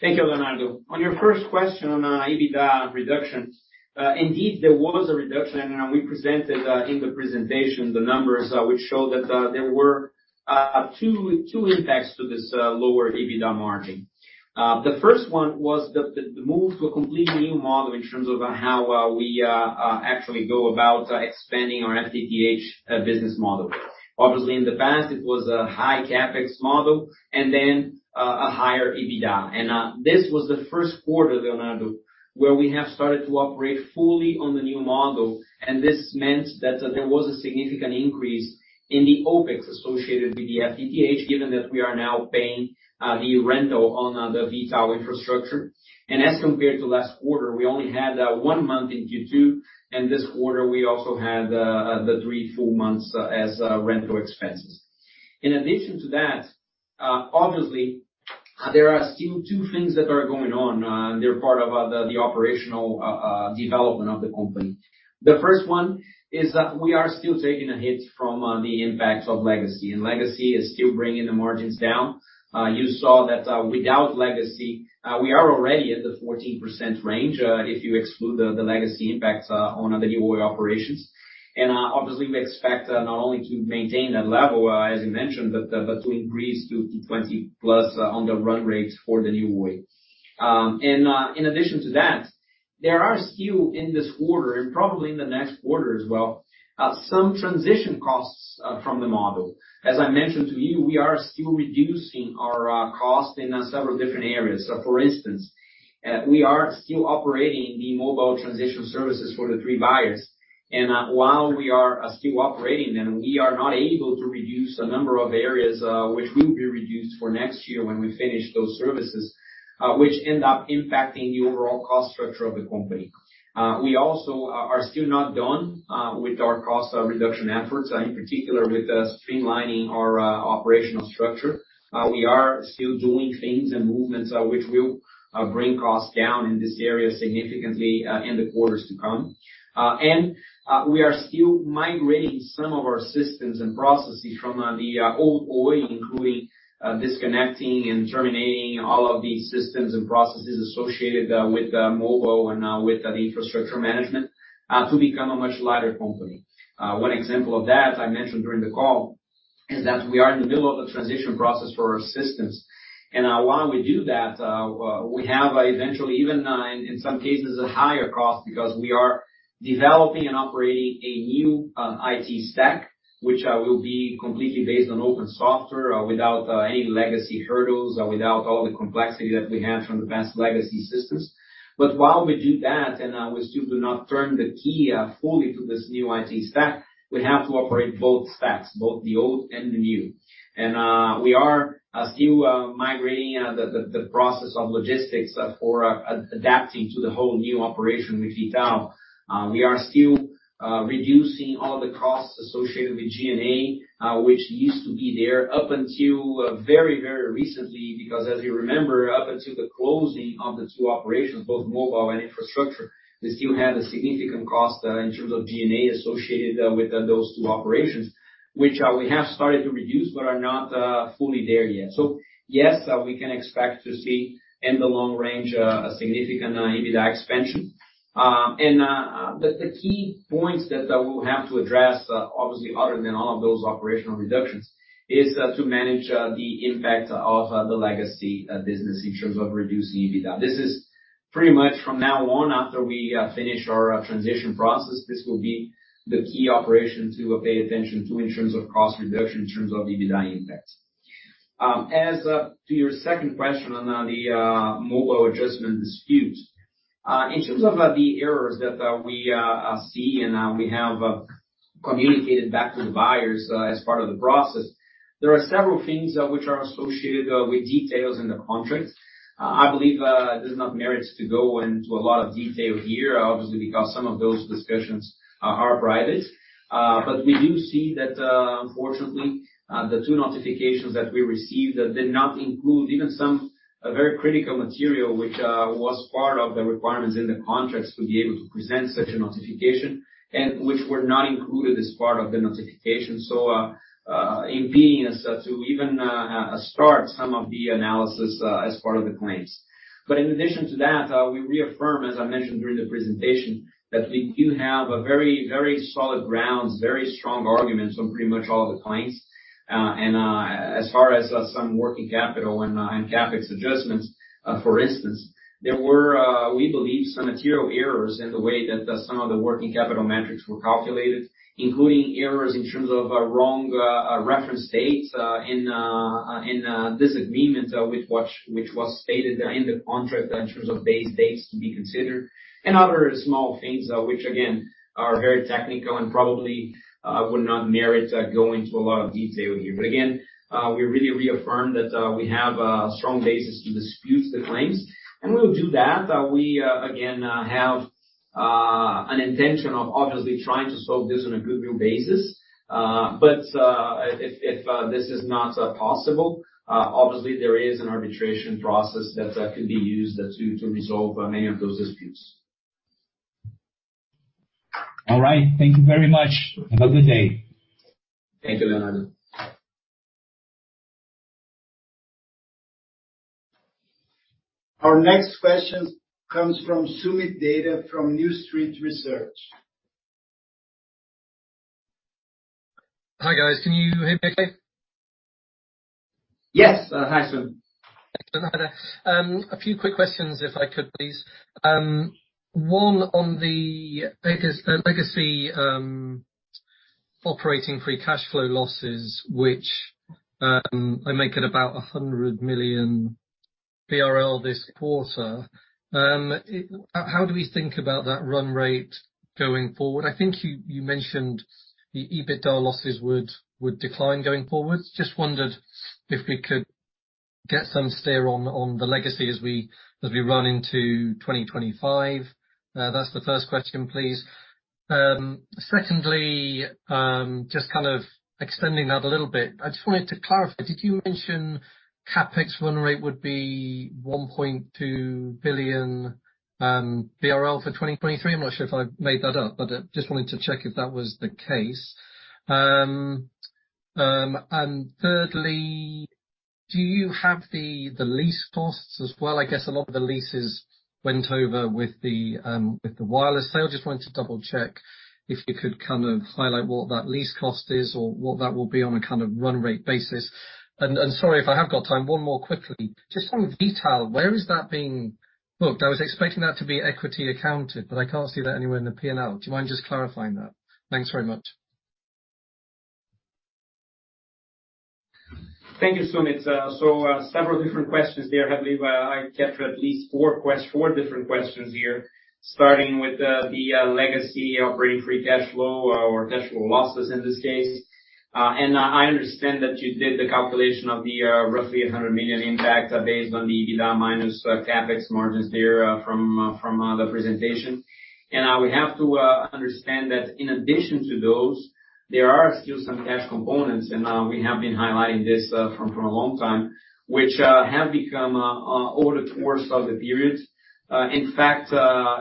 Thank you, Leonardo. On your first question on EBITDA reduction, indeed, there was a reduction, and we presented in the presentation the numbers which show that there were two impacts to this lower EBITDA margin. The first one was the move to a completely new model in terms of how we actually go about expanding our FTTH business model. Obviously, in the past, it was a high CapEx model and then a higher EBITDA. This was the first quarter, Leonardo, where we have started to operate fully on the new model, and this meant that there was a significant increase in the OpEx associated with the FTTH, given that we are now paying the rental on the V.tal infrastructure. As compared to last quarter, we only had one month in Q2, and this quarter we also had the three full months as rental expenses. In addition to that, obviously, there are still two things that are going on. They're part of the operational development of the company. The first one is that we are still taking a hit from the impacts of legacy, and legacy is still bringing the margins down. You saw that, without legacy, we are already at the 14% range, if you exclude the legacy impact on the New Oi operations. Obviously we expect not only to maintain that level, as you mentioned, but to increase to 20 plus on the run rates for the New Oi. In addition to that, there are still in this quarter, and probably in the next quarter as well, some transition costs from the mobile. As I mentioned to you, we are still reducing our cost in several different areas. For instance, we are still operating the mobile transition services for the three buyers. While we are still operating them, we are not able to reduce a number of areas, which will be reduced for next year when we finish those services, which end up impacting the overall cost structure of the company. We also are still not done with our cost reduction efforts, in particular with streamlining our operational structure. We are still doing things and movements which will bring costs down in this area significantly in the quarters to come. We are still migrating some of our systems and processes from the old Oi, including disconnecting and terminating all of these systems and processes associated with the mobile and with the infrastructure management to become a much lighter company. One example of that, as I mentioned during the call, is that we are in the middle of a transition process for our systems. While we do that, we have eventually even in some cases a higher cost because we are developing and operating a new IT stack, which will be completely based on open software without any legacy hurdles, without all the complexity that we had from the past legacy systems. While we do that, and we still do not turn the key fully to this new IT stack, we have to operate both stacks, both the old and the new. We are still migrating the process of logistics for adapting to the whole new operation with V.tal. We are still reducing all the costs associated with G&A, which used to be there up until very, very recently, because as you remember, up until the closing of the two operations, both mobile and infrastructure, we still had a significant cost in terms of G&A associated with those two operations, which we have started to reduce but are not fully there yet. Yes, we can expect to see in the long range a significant EBITDA expansion. The key points that we'll have to address, obviously other than all of those operational reductions, is to manage the impact of the legacy business in terms of reducing EBITDA. This is pretty much from now on after we finish our transition process, this will be the key operation to pay attention to in terms of cost reduction, in terms of EBITDA impact. As to your second question on the mobile adjustment dispute, in terms of the errors that we see and we have communicated back to the buyers, as part of the process, there are several things which are associated with details in the contract. I believe there's not merits to go into a lot of detail here, obviously, because some of those discussions are private. We do see that, unfortunately, the two notifications that we received did not include even some very critical material which was part of the requirements in the contracts to be able to present such a notification and which were not included as part of the notification. Impeding us to even start some of the analysis as part of the claims. In addition to that, we reaffirm, as I mentioned during the presentation, that we do have a very, very solid grounds, very strong arguments on pretty much all of the claims. As far as some working capital and CapEx adjustments, for instance, there were, we believe, some material errors in the way that some of the working capital metrics were calculated, including errors in terms of wrong reference dates and disagreement, which was stated in the contract in terms of base dates to be considered and other small things, which again are very technical and probably would not merit going to a lot of detail here. We really reaffirm that we have a strong basis to dispute the claims, and we'll do that. We again have an intention of obviously trying to solve this on agreeable basis. If this is not possible, obviously there is an arbitration process that could be used to resolve many of those disputes. All right. Thank you very much. Have a good day. Thank you. Our next question comes from Soomit Datta from New Street Research. Hi, guys. Can you hear me okay? Yes. Hi, Soomit. Excellent. Hi there. A few quick questions if I could, please. One on the legacy operating free cash flow losses, which I make at about 100 million BRL this quarter. How do we think about that run rate going forward? I think you mentioned the EBITDA losses would decline going forward. Just wondered if we could get some steer on the legacy as we run into 2025. That's the first question, please. Secondly, just kind of extending that a little bit. I just wanted to clarify. Did you mention CapEx run rate would be 1.2 billion BRL for 2023? I'm not sure if I made that up, but just wanted to check if that was the case. Thirdly, do you have the lease costs as well? I guess a lot of the leases went over with the wireless sale. Just wanted to double check if you could kind of highlight what that lease cost is or what that will be on a kind of run rate basis. Sorry if I have got time, one more quickly. Just some detail. Where is that being booked? I was expecting that to be equity accounted, but I can't see that anywhere in the P&L. Do you mind just clarifying that? Thanks very much. Thank you, Soomit. Several different questions there. I believe I captured at least four different questions here, starting with the legacy operating free cash flow or cash flow losses in this case. I understand that you did the calculation of the roughly 100 million impact based on the EBITDA minus CapEx margins there from the presentation. We have to understand that in addition to those, there are still some cash components, and we have been highlighting this from for a long time, which have become owed towards other periods. In fact,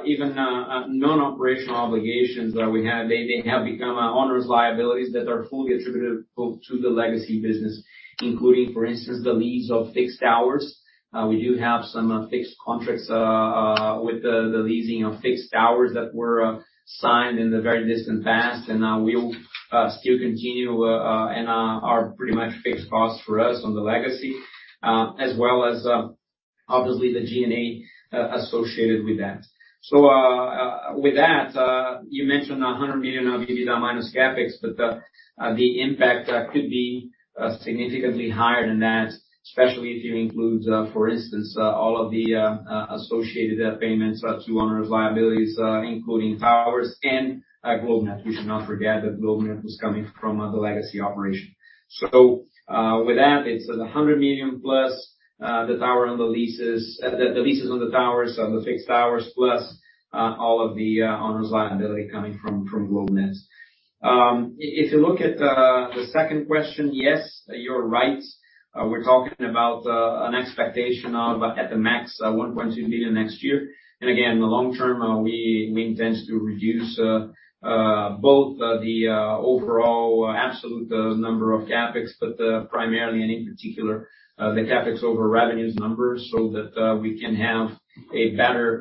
even non-operational obligations that we have, they have become onerous liabilities that are fully attributable to the legacy business, including, for instance, the lease of fixed towers. We do have some fixed contracts with the leasing of fixed towers that were signed in the very distant past and will still continue and are pretty much fixed costs for us on the legacy as well as obviously the G&A associated with that. With that, you mentioned 100 million of EBITDA minus CapEx, but the impact could be significantly higher than that, especially if you include, for instance, all of the associated payments to onerous liabilities, including towers and GlobeNet. We should not forget that GlobeNet was coming from the legacy operation. With that, it's 100 million plus the tower leases. The leases on the towers, on the fixed towers, plus all of the onerous liability coming from GlobeNet. If you look at the second question, yes, you're right. We're talking about an expectation of at the max 1.2 billion next year. Again, the long term, we intend to reduce both the overall absolute number of CapEx, but primarily and in particular, the CapEx over revenues numbers so that we can have a better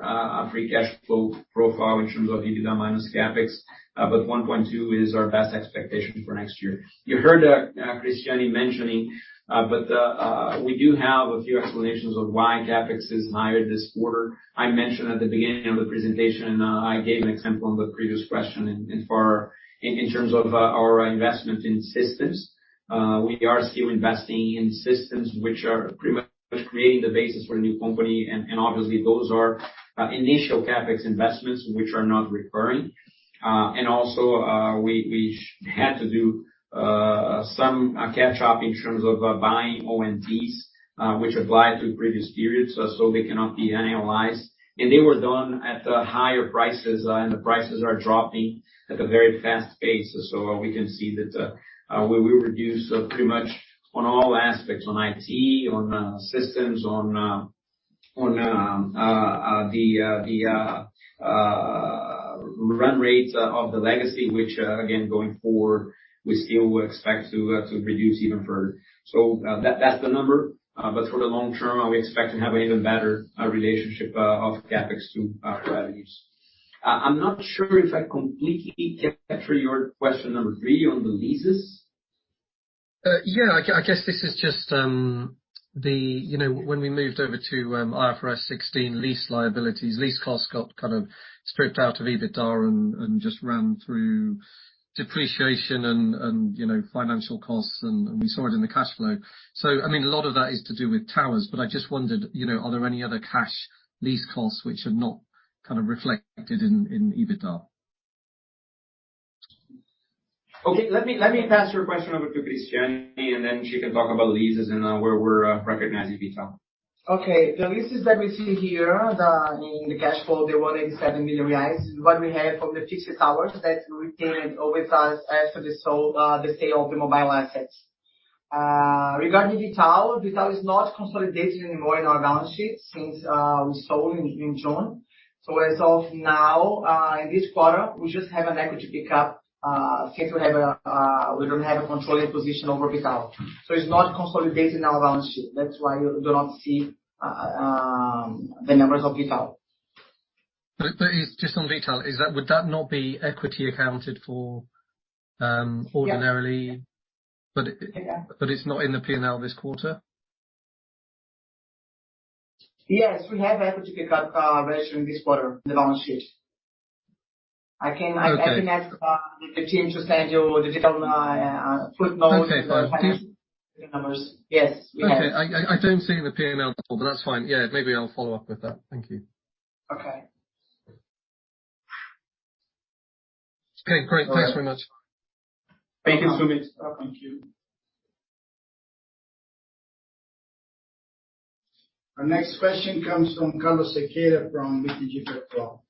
free cash flow profile in terms of EBITDA minus CapEx. But 1.2 billion is our best expectation for next year. You heard Cristiane mentioning, but we do have a few explanations of why CapEx is higher this quarter. I mentioned at the beginning of the presentation, I gave an example on the previous question in terms of our investment in systems. We are still investing in systems which are pretty much creating the basis for a new company, and obviously those are initial CapEx investments which are not recurring. We had to do some catch up in terms of buying ONTs, which apply to previous periods, so they cannot be annualized. They were done at higher prices, and the prices are dropping at a very fast pace. We can see that we reduce pretty much on all aspects, on IT, on systems, on the run rates of the legacy, which again, going forward, we still expect to reduce even further. That's the number. For the long term, we expect to have an even better relationship of CapEx to revenues. I'm not sure if I completely captured your question number 3 on the leases. Yeah. I guess this is just. You know, when we moved over to IFRS 16 lease liabilities, lease costs got kind of stripped out of EBITDA and just ran through depreciation and, you know, financial costs, and we saw it in the cash flow. I mean, a lot of that is to do with towers, but I just wondered, you know, are there any other cash lease costs which are not kind of reflected in EBITDA? Okay. Let me pass your question over to Cristiane, and then she can talk about leases and where we're recognizing detail. Okay. The leases that we see here in the cash flow, the 187 million reais, what we have from the fixed towers that we retained with us after the sale of the mobile assets. Regarding V.tal, V.tal is not consolidated anymore in our balance sheet since we sold in June. As of now, in this quarter, we just have an equity pickup since we don't have a controlling position over V.tal. It's not consolidated in our balance sheet. That's why you do not see the numbers of V.tal. Just one detail, would that not be equity accounted for? Yeah. Ordinarily? But it-. Yeah. It's not in the P&L this quarter. Yes. We have equity pickup, ratio in this quarter in the balance sheet. I can. Okay. I can ask the team to send you the detailed footnote. Okay. For the financial numbers. Yes. We have. Okay. I don't see the P&L at all, but that's fine. Yeah. Maybe I'll follow up with that. Thank you. Okay. Okay, great. Thanks very much. Thank you, Soomit. Thank you. Our next question comes from Carlos Sequeira from BTG Pactual.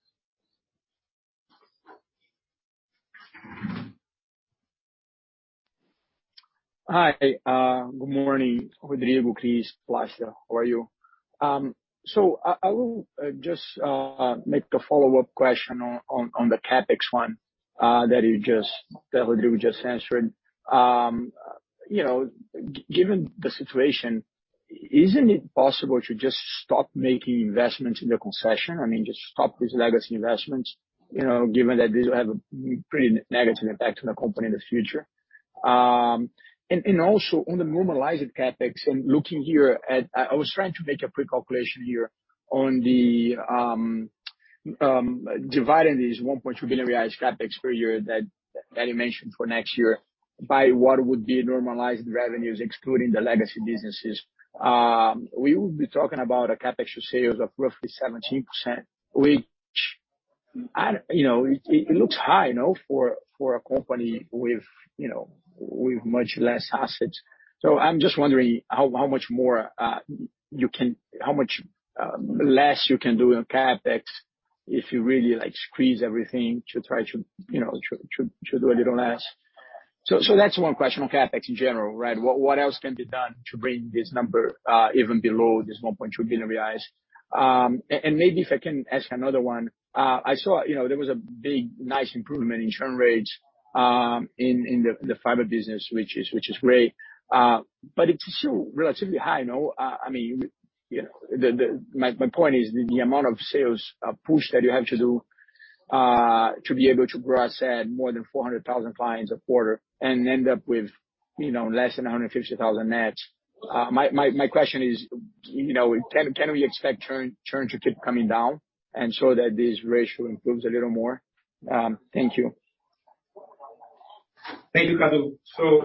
Hi. Good morning, Rodrigo, Chris, Flavia. How are you? I will just make a follow-up question on the CapEx one that Rodrigo just answered. You know, given the situation, isn't it possible to just stop making investments in the concession? I mean, just stop these legacy investments, you know, given that this will have a pretty negative impact on the company in the future. And also on the normalized CapEx and looking here at. I was trying to make a pre-calculation here on dividing these 1.2 billion reais CapEx per year that you mentioned for next year by what would be normalized revenues excluding the legacy businesses. We would be talking about a CapEx to sales of roughly 17%, which I. You know, it looks high, no, for a company with you know, much less assets. I'm just wondering how much less you can do on CapEx if you really, like, squeeze everything to try to you know, to do a little less. That's one question on CapEx in general, right? What else can be done to bring this number even below this 1.2 billion reais? Maybe if I can ask another one, I saw, you know, there was a big, nice improvement in churn rates in the fiber business, which is great. It's still relatively high, no? I mean, you know, my point is the amount of sales push that you have to do to be able to gross add more than 400,000 clients a quarter and end up with, you know, less than 150,000 net. My question is, you know, can we expect churn to keep coming down and so that this ratio improves a little more? Thank you. Thank you, Kadu.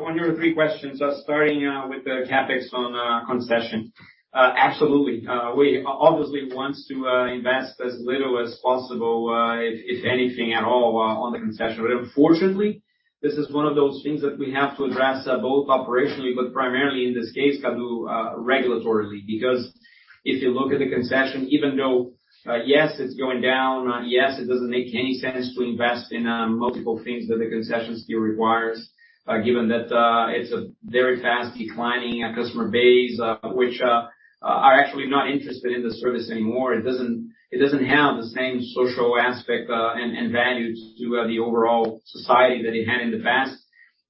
On your three questions, starting with the CapEx on concession. Absolutely. We obviously want to invest as little as possible, if anything at all, on the concession. But unfortunately, this is one of those things that we have to address both operationally, but primarily in this case, Kadu, regulatorily. Because if you look at the concession, even though yes, it's going down, yes, it doesn't make any sense to invest in multiple things that the concession still requires, given that it's a very fast declining customer base, which are actually not interested in the service anymore. It doesn't have the same social aspect, and value to the overall society that it had in the past.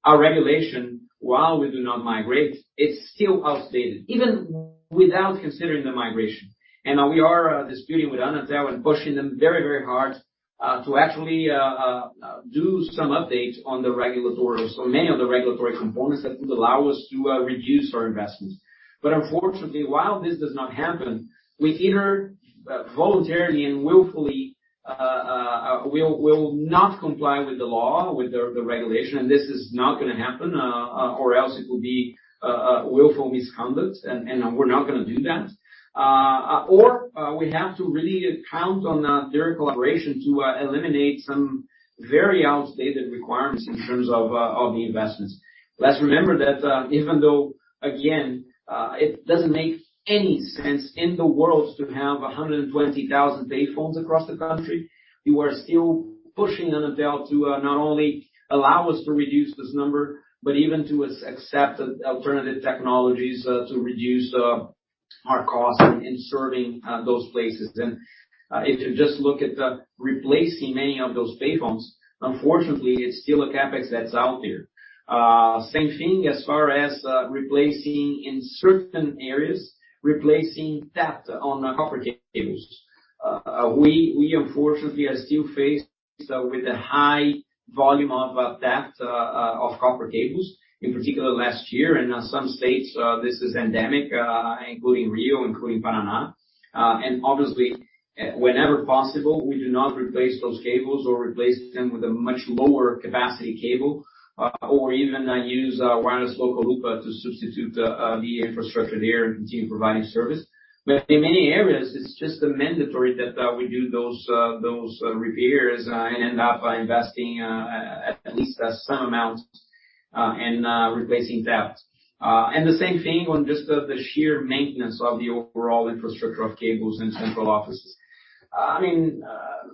Our regulation, while we do not migrate, it's still outdated, even without considering the migration. We are disputing with Anatel and pushing them very, very hard to actually do some updates on the regulatory or many of the regulatory components that would allow us to reduce our investments. Unfortunately, while this does not happen, we either voluntarily and willfully will not comply with the law, with the regulation, and this is not gonna happen or else it will be willful misconduct, and we're not gonna do that. We have to really count on their collaboration to eliminate some very outdated requirements in terms of the investments. Let's remember that, even though, again, it doesn't make any sense in the world to have 120,000 payphones across the country, we are still pushing Anatel to not only allow us to reduce this number, but even to accept alternative technologies to reduce our costs in serving those places. If you just look at replacing many of those payphones, unfortunately, it's still a CapEx that's out there. Same thing as far as replacing in certain areas, theft of our copper cables. We unfortunately are still faced with a high volume of theft of copper cables, in particular last year. In some states, this is endemic, including Rio, including Paraná. Obviously, whenever possible, we do not replace those cables or replace them with a much lower capacity cable, or even use wireless local loop to substitute the infrastructure there and continue providing service. In many areas, it's just mandatory that we do those repairs and end up investing at least some amount in replacing theft. The same thing on just the sheer maintenance of the overall infrastructure of cables in central offices. I mean,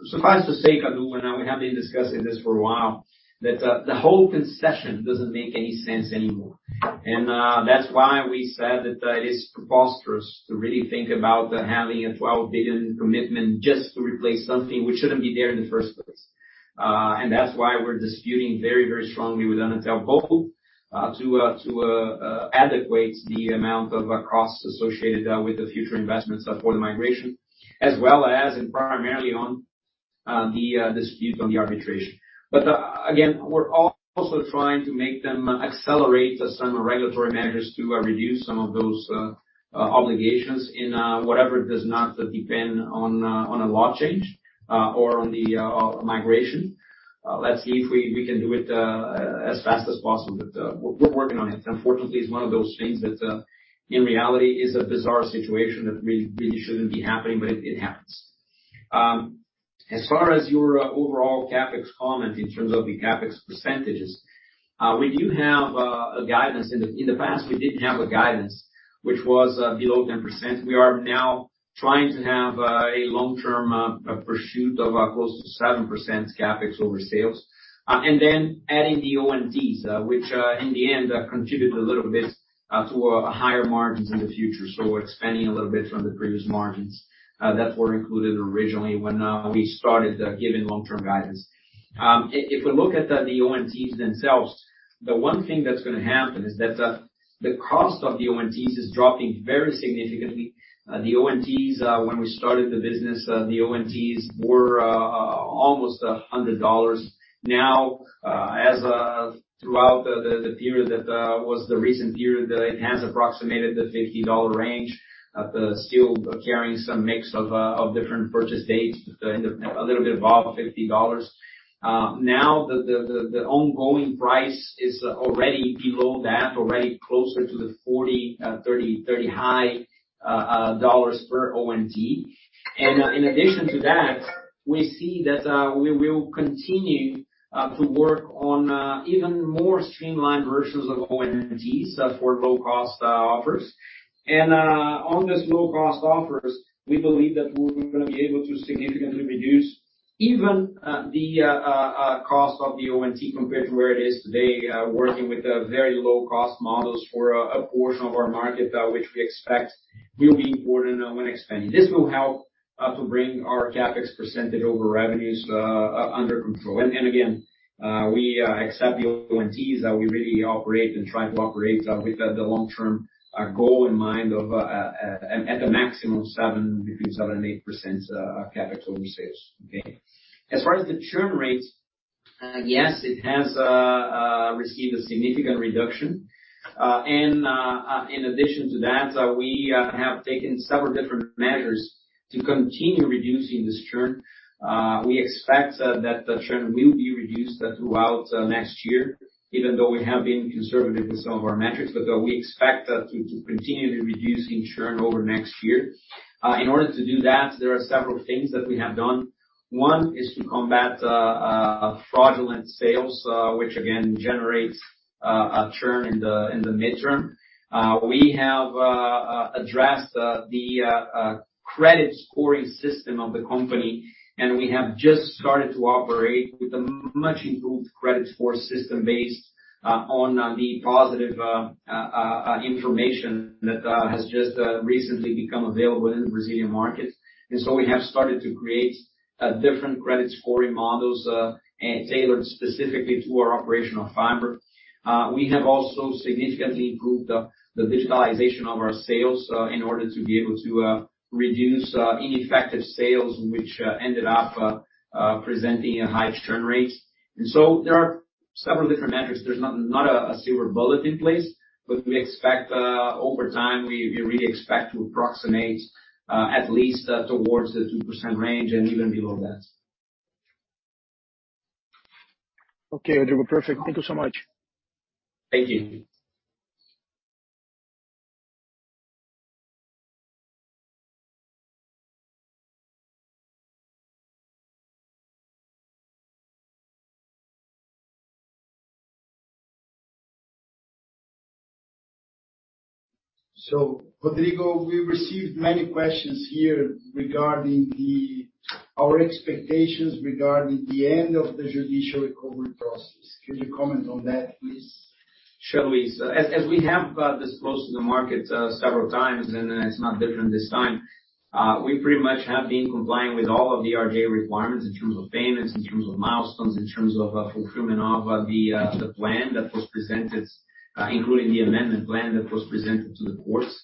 suffice to say, Carlos, and we have been discussing this for a while, that the whole concession doesn't make any sense anymore. That's why we said that it is preposterous to really think about having a 12 billion commitment just to replace something which shouldn't be there in the first place. That's why we're disputing very strongly with Anatel both to adjust the amount of costs associated with the future investments for the migration, as well as primarily on the dispute on the arbitration. We're also trying to make them accelerate some regulatory measures to reduce some of those obligations in whatever does not depend on a law change or on the migration. Let's see if we can do it as fast as possible. We're working on it. Unfortunately, it's one of those things that, in reality, is a bizarre situation that really shouldn't be happening, but it happens. As far as your overall CapEx comment in terms of the CapEx percentages, we do have a guidance. In the past, we didn't have a guidance, which was below 10%. We are now trying to have a long-term pursuit of close to 7% CapEx over sales. Adding the ONT, which in the end contributes a little bit to higher margins in the future. Expanding a little bit from the previous margins that were included originally when we started giving long-term guidance. If we look at the ONTs themselves, the one thing that's gonna happen is that the cost of the ONTs is dropping very significantly. The ONTs when we started the business were almost $100. Now, as of throughout the period that was the recent period, it has approximated the $50 range, still carrying some mix of different purchase dates, but a little bit above $50. Now, the ongoing price is already below that, already closer to the 40, 30-high dollars per ONT. In addition to that, we see that we will continue to work on even more streamlined versions of ONTs that for low cost offers. On these low-cost offers, we believe that we're gonna be able to significantly reduce even the cost of the ONT compared to where it is today, working with the very low-cost models for a portion of our market, which we expect will be more than when expanding. This will help to bring our CapEx percentage over revenues under control. Again, we accept the ONTs. We really operate and try to operate with the long-term goal in mind of between 7% and 8% CapEx over sales. Okay. As far as the churn rates, yes, it has received a significant reduction. We have taken several different measures to continue reducing this churn. We expect that the churn will be reduced throughout next year, even though we have been conservative with some of our metrics. But we expect to continue to reduce the churn over next year. In order to do that, there are several things that we have done. One is to combat fraudulent sales, which again generates a churn in the midterm. We have addressed the credit scoring system of the company, and we have just started to operate with a much improved credit score system based on the positive information that has just recently become available in the Brazilian market. We have started to create different credit scoring models and tailored specifically to our operational fiber. We have also significantly improved the digitalization of our sales in order to be able to reduce ineffective sales, which ended up presenting a high churn rate. There are several different metrics. There's not a silver bullet in place, but we expect over time, we really expect to approximate at least towards the 2% range and even below that. Okay, Rodrigo. Perfect. Thank you so much. Thank you. Rodrigo, we received many questions here regarding our expectations regarding the end of the judicial recovery process. Could you comment on that, please? Sure, Luis. As we have disclosed to the market several times, and it's not different this time, we pretty much have been complying with all of the RJ requirements in terms of payments, in terms of milestones, in terms of fulfillment of the plan that was presented, including the amendment plan that was presented to the courts.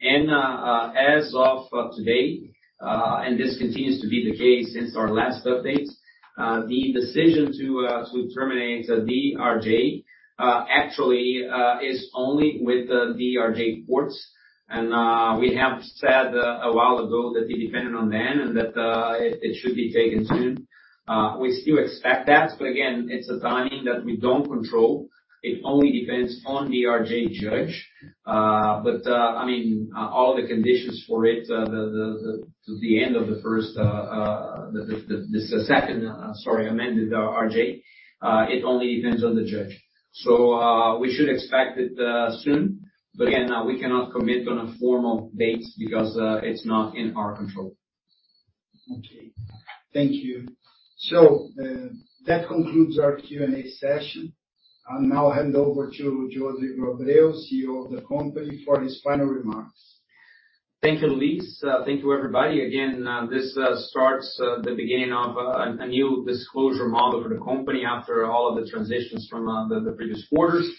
As of today, and this continues to be the case since our last update, the decision to terminate the RJ actually is only with the RJ courts. We have said a while ago that it depended on them, and that it should be taken soon. We still expect that, but again, it's a timing that we don't control. It only depends on the RJ judge. I mean, all the conditions for it to the end of the second amended RJ. It only depends on the judge. We should expect it soon. Again, we cannot commit on a formal date because it's not in our control. Okay. Thank you. That concludes our Q&A session. I'll now hand over to Rodrigo Abreu, CEO of the company, for his final remarks. Thank you, Luis. Thank you, everybody. Again, this starts the beginning of a new disclosure model for the company after all of the transitions from the previous quarters.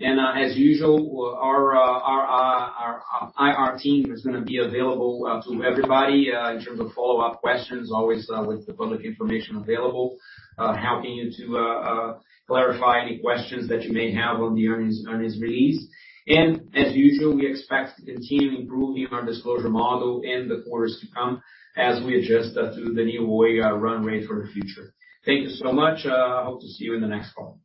As usual, our IR team is gonna be available to everybody in terms of follow-up questions, always with the public information available, helping you to clarify any questions that you may have on the earnings release. As usual, we expect to continue improving our disclosure model in the quarters to come as we adjust to the New Oi runway for the future. Thank you so much. Hope to see you in the next call.